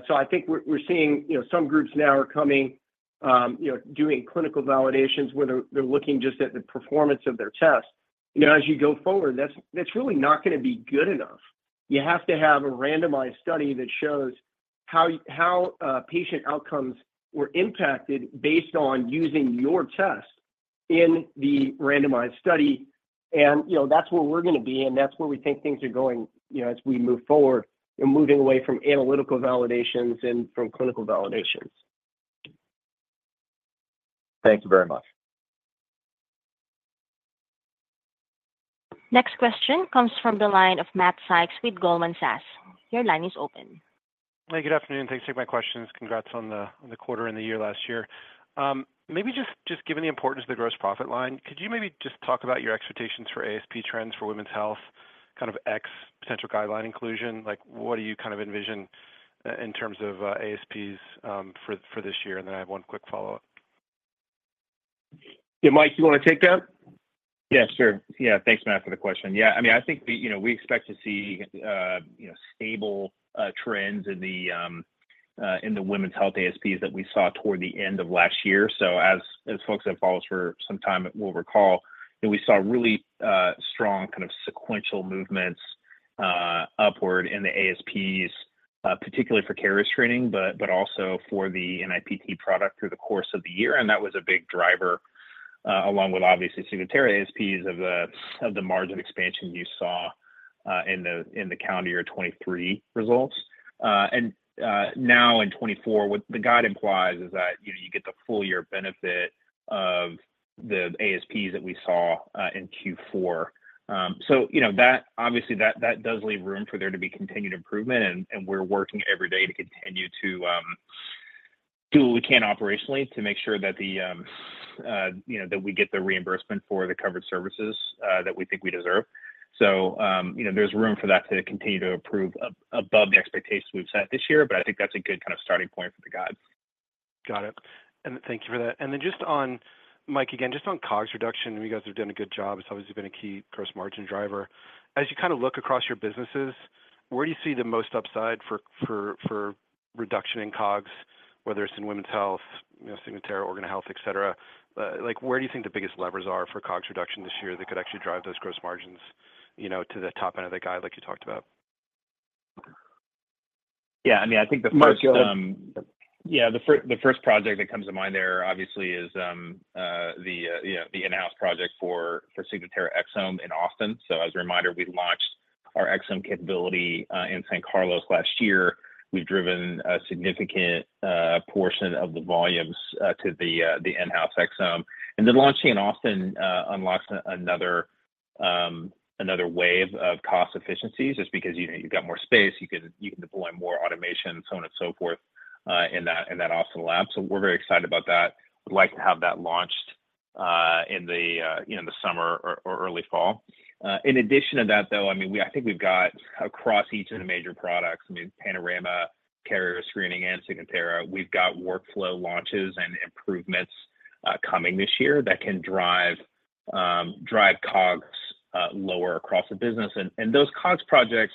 C: So I think we're seeing some groups now are coming, doing clinical validations where they're looking just at the performance of their test. As you go forward, that's really not going to be good enough. You have to have a randomized study that shows how patient outcomes were impacted based on using your test in the randomized study. That's where we're going to be, and that's where we think things are going as we move forward, moving away from analytical validations and from clinical validations.
J: Thank you very much.
A: Next question comes from the line of Matt Sykes with Goldman Sachs. Your line is open.
K: Hey, good afternoon. Thanks for taking my questions. Congrats on the quarter and the year last year. Maybe just given the importance of the gross profit line, could you maybe just talk about your expectations for ASP trends for women's health, kind of ex potential guideline inclusion? What do you kind of envision in terms of ASPs for this year? And then I have one quick follow-up.
C: Yeah, Mike, do you want to take that?
B: Yeah, sure. Yeah, thanks, Matt, for the question. Yeah, I mean, I think we expect to see stable trends in the women's health ASPs that we saw toward the end of last year. So as folks have followed us for some time, we'll recall, we saw really strong kind of sequential movements upward in the ASPs, particularly for carrier screening, but also for the NIPT product through the course of the year. And that was a big driver along with, obviously, Signatera ASPs of the margin expansion you saw in the calendar year 2023 results. And now in 2024, what the guide implies is that you get the full-year benefit of the ASPs that we saw in Q4. So obviously, that does leave room for there to be continued improvement. We're working every day to continue to do what we can operationally to make sure that we get the reimbursement for the covered services that we think we deserve. There's room for that to continue to improve above the expectations we've set this year. I think that's a good kind of starting point for the guide.
K: Got it. And thank you for that. And then just on, Mike, again, just on COGS reduction, you guys have done a good job. It's obviously been a key gross margin driver. As you kind of look across your businesses, where do you see the most upside for reduction in COGS, whether it's in women's health, Signatera, Organ Health, etc.? Where do you think the biggest levers are for COGS reduction this year that could actually drive those gross margins to the top end of the guide like you talked about?
B: Yeah, I mean, I think the first.
C: Market.
B: Yeah, the first project that comes to mind there, obviously, is the in-house project for Signatera Exome in Austin. So as a reminder, we launched our Exome capability in San Carlos last year. We've driven a significant portion of the volumes to the in-house Exome. And the launching in Austin unlocks another wave of cost efficiencies just because you've got more space. You can deploy more automation, so on and so forth, in that Austin lab. So we're very excited about that. We'd like to have that launched in the summer or early fall. In addition to that, though, I mean, I think we've got across each of the major products, I mean, Panorama, carrier screening, and Signatera, we've got workflow launches and improvements coming this year that can drive COGS lower across the business. Those COGS projects,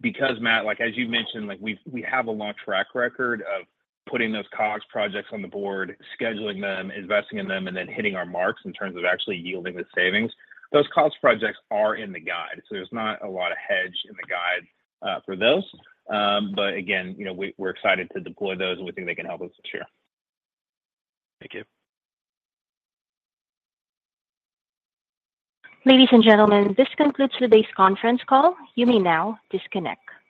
B: because, Matt, as you mentioned, we have a long track record of putting those COGS projects on the board, scheduling them, investing in them, and then hitting our marks in terms of actually yielding the savings, those COGS projects are in the guide. There's not a lot of hedge in the guide for those. Again, we're excited to deploy those, and we think they can help us this year.
K: Thank you.
A: Ladies and gentlemen, this concludes today's conference call. You may now disconnect.